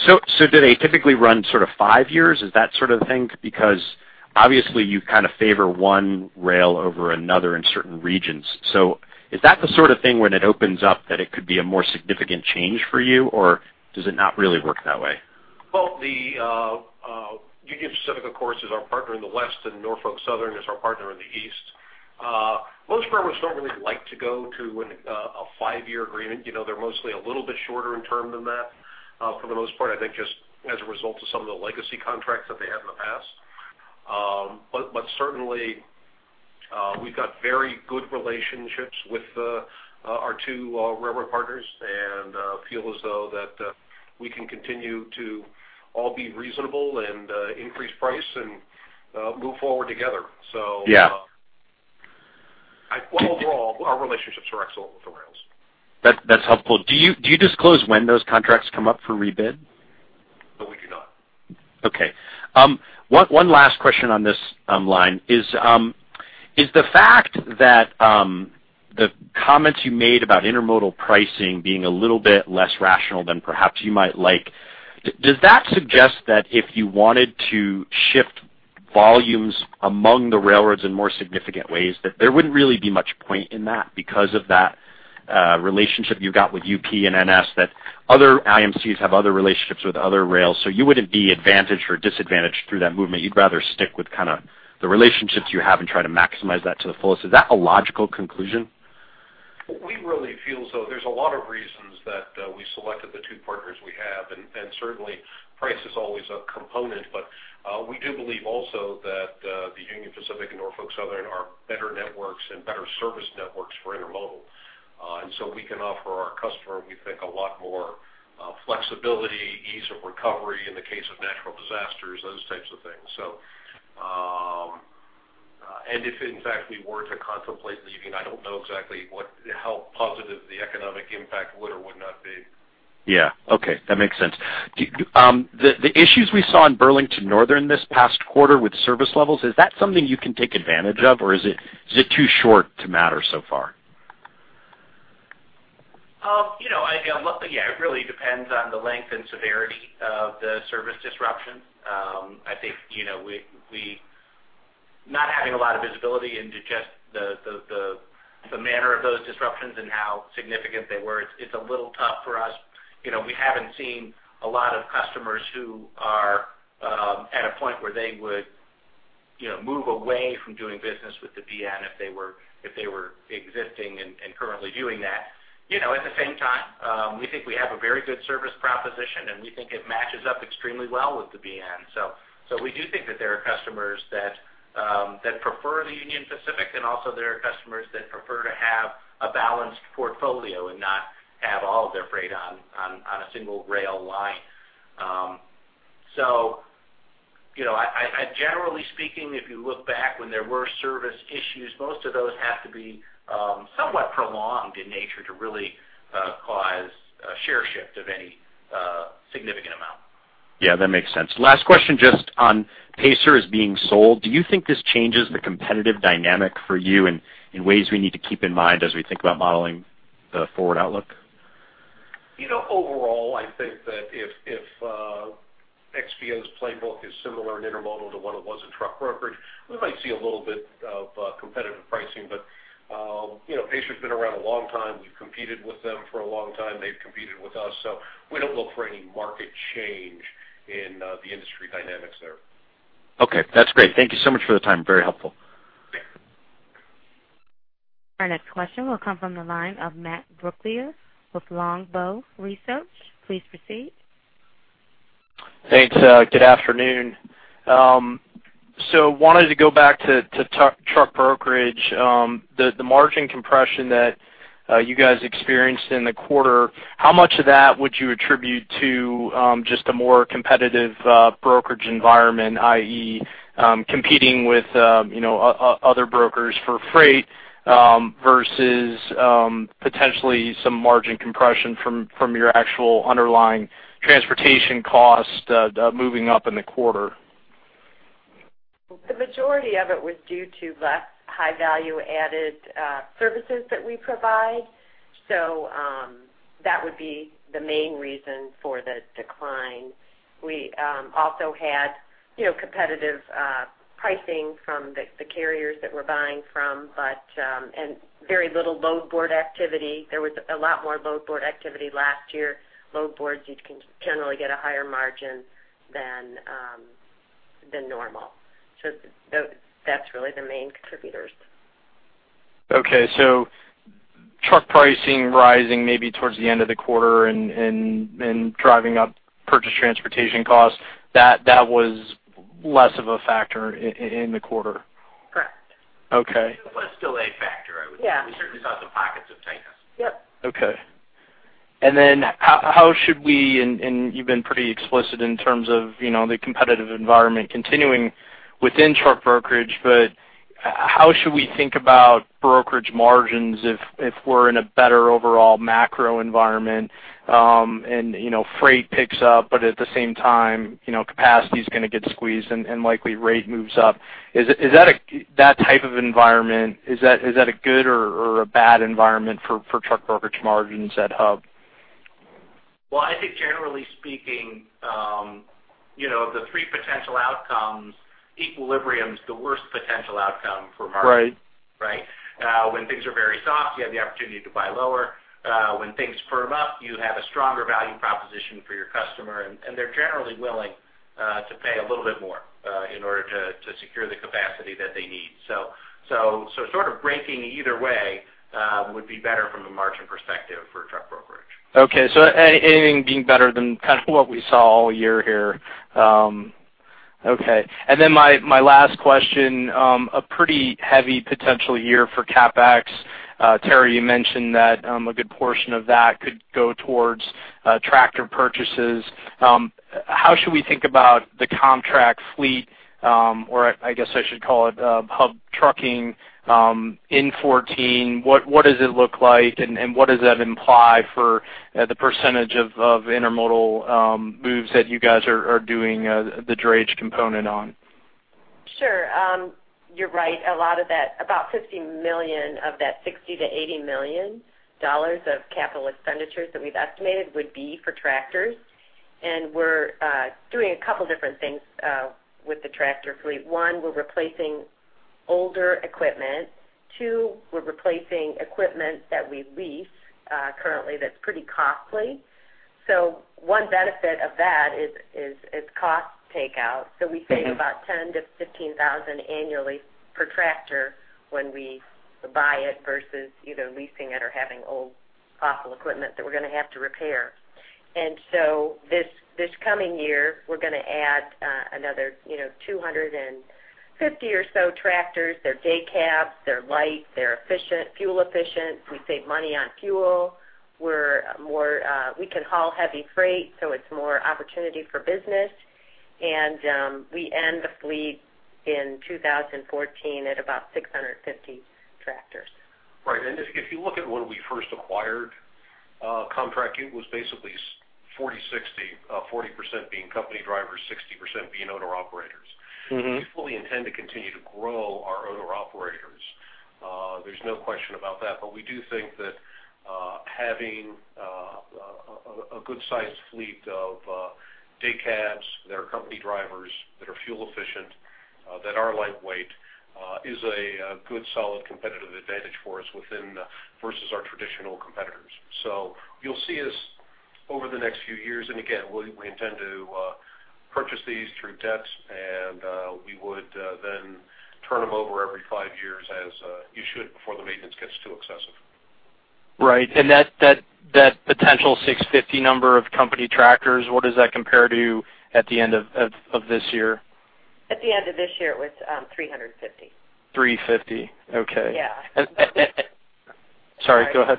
So, so do they typically run sort of five years? Is that sort of thing, because obviously, you kind of favor one rail over another in certain regions. So is that the sort of thing when it opens up, that it could be a more significant change for you, or does it not really work that way? Well, the Union Pacific, of course, is our partner in the West, and Norfolk Southern is our partner in the East. Most railroads don't really like to go to a five-year agreement. You know, they're mostly a little bit shorter in term than that, for the most part, I think just as a result of some of the legacy contracts that they had in the past. But certainly, we've got very good relationships with our two railroad partners, and feel as though that we can continue to all be reasonable and increase price and move forward together. So- Yeah. Overall, our relationships are excellent with the rails. That's helpful. Do you disclose when those contracts come up for rebid? No, we do not. Okay. One last question on this line. Is the fact that the comments you made about intermodal pricing being a little bit less rational than perhaps you might like, does that suggest that if you wanted to shift volumes among the railroads in more significant ways, that there wouldn't really be much point in that because of that relationship you've got with UP and NS, that other IMCs have other relationships with other rails, so you wouldn't be advantaged or disadvantaged through that movement? You'd rather stick with kind of the relationships you have and try to maximize that to the fullest. Is that a logical conclusion? We really feel as though there's a lot of reasons that we selected the two partners we have, and certainly price is always a component. But we do believe also that the Union Pacific and Norfolk Southern are better networks and better service networks for intermodal. And so we can offer our customer, we think, a lot more flexibility, ease of recovery in the case of natural disasters, those types of things. So and if in fact we were to contemplate leaving, I don't know exactly what, how positive the economic impact would or would not be. Yeah. Okay, that makes sense. Do the issues we saw in Burlington Northern this past quarter with service levels, is that something you can take advantage of, or is it too short to matter so far? You know, yeah, it really depends on the length and severity of the service disruptions. I think, you know, not having a lot of visibility into just the manner of those disruptions and how significant they were, it's a little tough for us. You know, we haven't seen a lot of customers who are at a point where they would, you know, move away from doing business with the BN if they were existing and currently doing that. You know, at the same time, we think we have a very good service proposition, and we think it matches up extremely well with the BN. So we do think that there are customers that prefer the Union Pacific, and also there are customers that prefer to have a balanced portfolio and not have all of their freight on a single rail line. You know, generally speaking, if you look back when there were service issues, most of those have to be somewhat prolonged in nature to really cause a share shift of any significant amount. Yeah, that makes sense. Last question, just on Pacer is being sold. Do you think this changes the competitive dynamic for you in ways we need to keep in mind as we think about modeling the forward outlook? You know, overall, I think that if XPO's playbook is similar in intermodal to what it was in truck brokerage, we might see a little bit of competitive pricing. But you know, Pacer's been around a long time. We've competed with them for a long time. They've competed with us. So we don't look for any market change in the industry dynamics there. Okay, that's great. Thank you so much for the time. Very helpful. Our next question will come from the line of Matt Brooklier with Longbow Research. Please proceed. Thanks. Good afternoon. So wanted to go back to truck brokerage. The margin compression that you guys experienced in the quarter, how much of that would you attribute to just a more competitive brokerage environment, i.e., competing with, you know, other brokers for freight versus potentially some margin compression from your actual underlying transportation costs moving up in the quarter? The majority of it was due to less high-value added services that we provide. So, that would be the main reason for the decline. We also had, you know, competitive pricing from the carriers that we're buying from, but, and very little load board activity. There was a lot more load board activity last year. Load boards, you can generally get a higher margin than normal. So that's really the main contributors. Okay. So truck pricing rising maybe towards the end of the quarter and driving up purchase transportation costs, that was less of a factor in the quarter? Correct. Okay. It was still a factor. Yeah. We certainly saw some pockets of tightness. Yep. Okay. And then how should we... And you've been pretty explicit in terms of, you know, the competitive environment continuing within truck brokerage. But... How should we think about brokerage margins if we're in a better overall macro environment, and, you know, freight picks up, but at the same time, you know, capacity is going to get squeezed and likely rate moves up? Is that that type of environment, is that a good or a bad environment for truck brokerage margins at Hub? Well, I think generally speaking, you know, the three potential outcomes, equilibrium is the worst potential outcome for margin. Right. Right? When things are very soft, you have the opportunity to buy lower. When things firm up, you have a stronger value proposition for your customer, and they're generally willing to pay a little bit more in order to secure the capacity that they need. So sort of breaking either way would be better from a margin perspective for truck brokerage. Okay, so anything being better than kind of what we saw all year here. And then my, my last question, a pretty heavy potential year for CapEx. Terri, you mentioned that, a good portion of that could go towards, tractor purchases. How should we think about the contract fleet, or I guess I should call it, Hub Trucking, in 2014? What, what does it look like, and, and what does that imply for, the percentage of, of intermodal, moves that you guys are, are doing, the drayage component on? Sure. You're right. A lot of that, about $50 million of that $60 million-$80 million of capital expenditures that we've estimated would be for tractors. And we're doing a couple different things with the tractor fleet. One, we're replacing older equipment. Two, we're replacing equipment that we lease currently that's pretty costly. So one benefit of that is cost takeout. So we save about $10,000-$15,000 annually per tractor when we buy it versus either leasing it or having old costly equipment that we're going to have to repair. And so this coming year, we're going to add another, you know, 250 or so tractors. They're day cabs, they're light, they're efficient, fuel efficient. We save money on fuel. We're more, we can haul heavy freight, so it's more opportunity for business. We end the fleet in 2014 at about 650 tractors. Right. And if, if you look at when we first acquired Comtrak, it was basically 40/60, 40% being company drivers, 60% being owner-operators. Mm-hmm. We fully intend to continue to grow our owner-operators. There's no question about that, but we do think that, having a good sized fleet of day cabs that are company drivers, that are fuel efficient, that are lightweight, is a good, solid competitive advantage for us within versus our traditional competitors. So you'll see us over the next few years, and again, we, we intend to purchase these through debts, and, we would then turn them over every five years as you should, before the maintenance gets too excessive. Right. And that potential 650 number of company tractors, what does that compare to at the end of this year? At the end of this year, it was 350. 350. Okay. Yeah. Sorry, go ahead.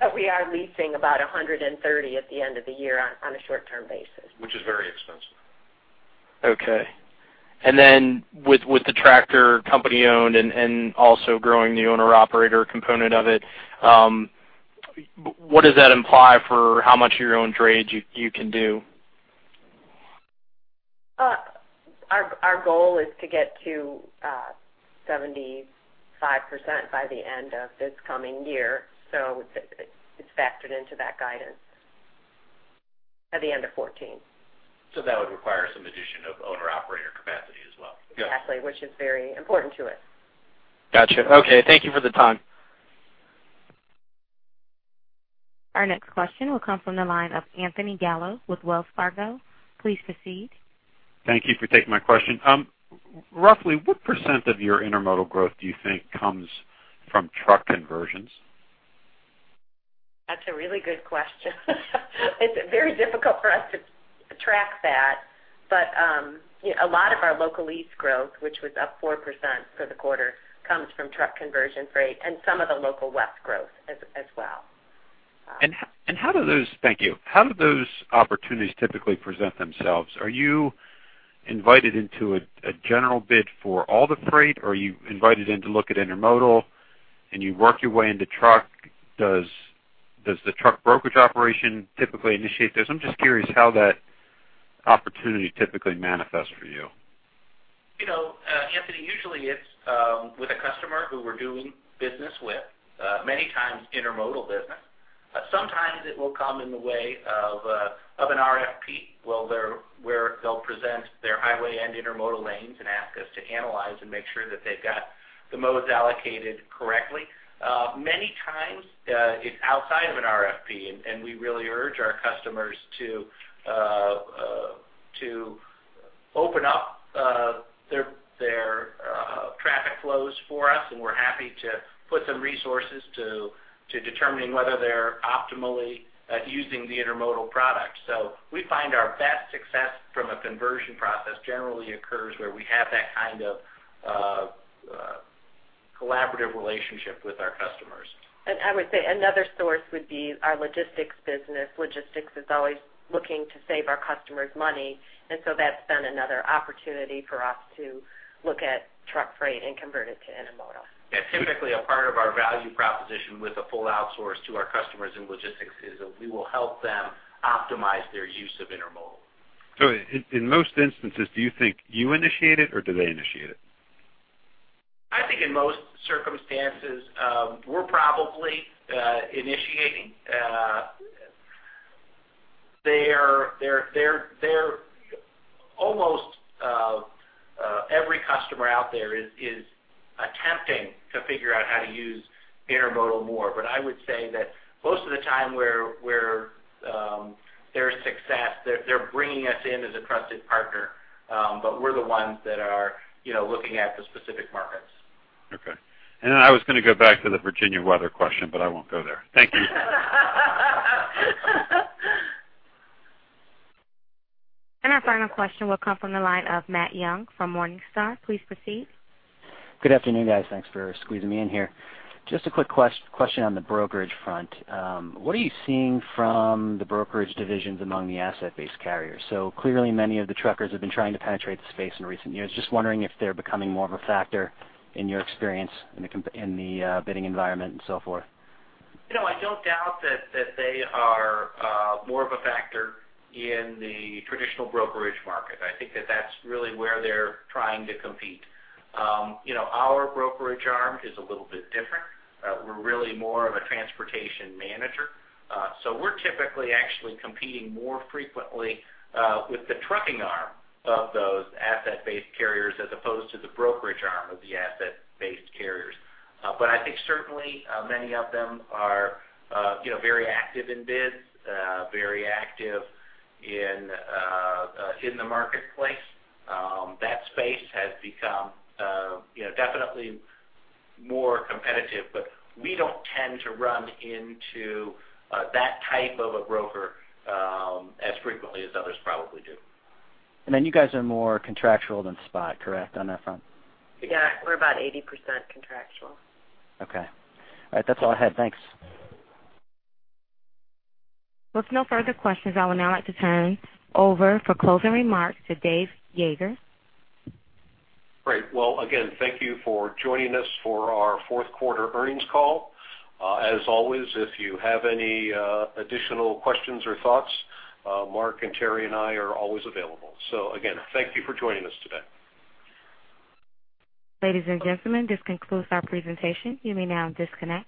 But we are leasing about 130 at the end of the year on a short-term basis. Which is very expensive. Okay. And then with the tractor company-owned and also growing the owner-operator component of it, what does that imply for how much of your own drayage you can do? Our goal is to get to 75% by the end of this coming year. So it's factored into that guidance at the end of 2014. That would require some addition of owner-operator capacity as well. Yes. Exactly, which is very important to us. Gotcha. Okay. Thank you for the time. Our next question will come from the line of Anthony Gallo with Wells Fargo. Please proceed. Thank you for taking my question. Roughly what percent of your intermodal growth do you think comes from truck conversions? That's a really good question. It's very difficult for us to track that, but a lot of our local lease growth, which was up 4% for the quarter, comes from truck conversion freight and some of the local west growth as well. Thank you. How do those opportunities typically present themselves? Are you invited into a general bid for all the freight, or are you invited in to look at intermodal, and you work your way into truck? Does the truck brokerage operation typically initiate this? I'm just curious how that opportunity typically manifests for you. You know, Anthony, usually it's with a customer who we're doing business with, many times intermodal business. Sometimes it will come in the way of an RFP, well, where they'll present their highway and intermodal lanes and ask us to analyze and make sure that they've got the modes allocated correctly. Many times, it's outside of an RFP, and we really urge our customers to open up their traffic flows for us, and we're happy to put some resources to determining whether they're optimally using the intermodal product. So we find our best success from a conversion process generally occurs where we have that kind of collaborative relationship with our customers. I would say another source would be our logistics business. Logistics is always looking to save our customers money, and so that's been another opportunity for us to look at truck freight and convert it to intermodal. Yeah, typically, a part of our value proposition with a full outsource to our customers in logistics is that we will help them optimize their use of intermodal. So in most instances, do you think you initiate it or do they initiate it? I think in most circumstances, we're probably initiating. They're almost every customer out there is attempting to figure out how to use intermodal more. But I would say that most of the time we're their success, they're bringing us in as a trusted partner, but we're the ones that are, you know, looking at the specific markets. Okay. And then I was gonna go back to the Virginia weather question, but I won't go there. Thank you. Our final question will come from the line of Matt Young from Morningstar. Please proceed. Good afternoon, guys. Thanks for squeezing me in here. Just a quick question on the brokerage front. What are you seeing from the brokerage divisions among the asset-based carriers? So clearly, many of the truckers have been trying to penetrate the space in recent years. Just wondering if they're becoming more of a factor in your experience in the bidding environment and so forth. You know, I don't doubt that, that they are, more of a factor in the traditional brokerage market. I think that that's really where they're trying to compete. You know, our brokerage arm is a little bit different. We're really more of a transportation manager. So we're typically actually competing more frequently, with the trucking arm of those asset-based carriers, as opposed to the brokerage arm of the asset-based carriers. But I think certainly, many of them are, you know, very active in bids, very active in, in the marketplace. That space has become, you know, definitely more competitive, but we don't tend to run into, that type of a broker, as frequently as others probably do. And then you guys are more contractual than spot, correct, on that front? Yeah, we're about 80% contractual. Okay. All right, that's all I had. Thanks. With no further questions, I would now like to turn over for closing remarks to Dave Yeager. Great. Well, again, thank you for joining us for our fourth quarter earnings call. As always, if you have any additional questions or thoughts, Mark and Terri and I are always available. So again, thank you for joining us today. Ladies and gentlemen, this concludes our presentation. You may now disconnect.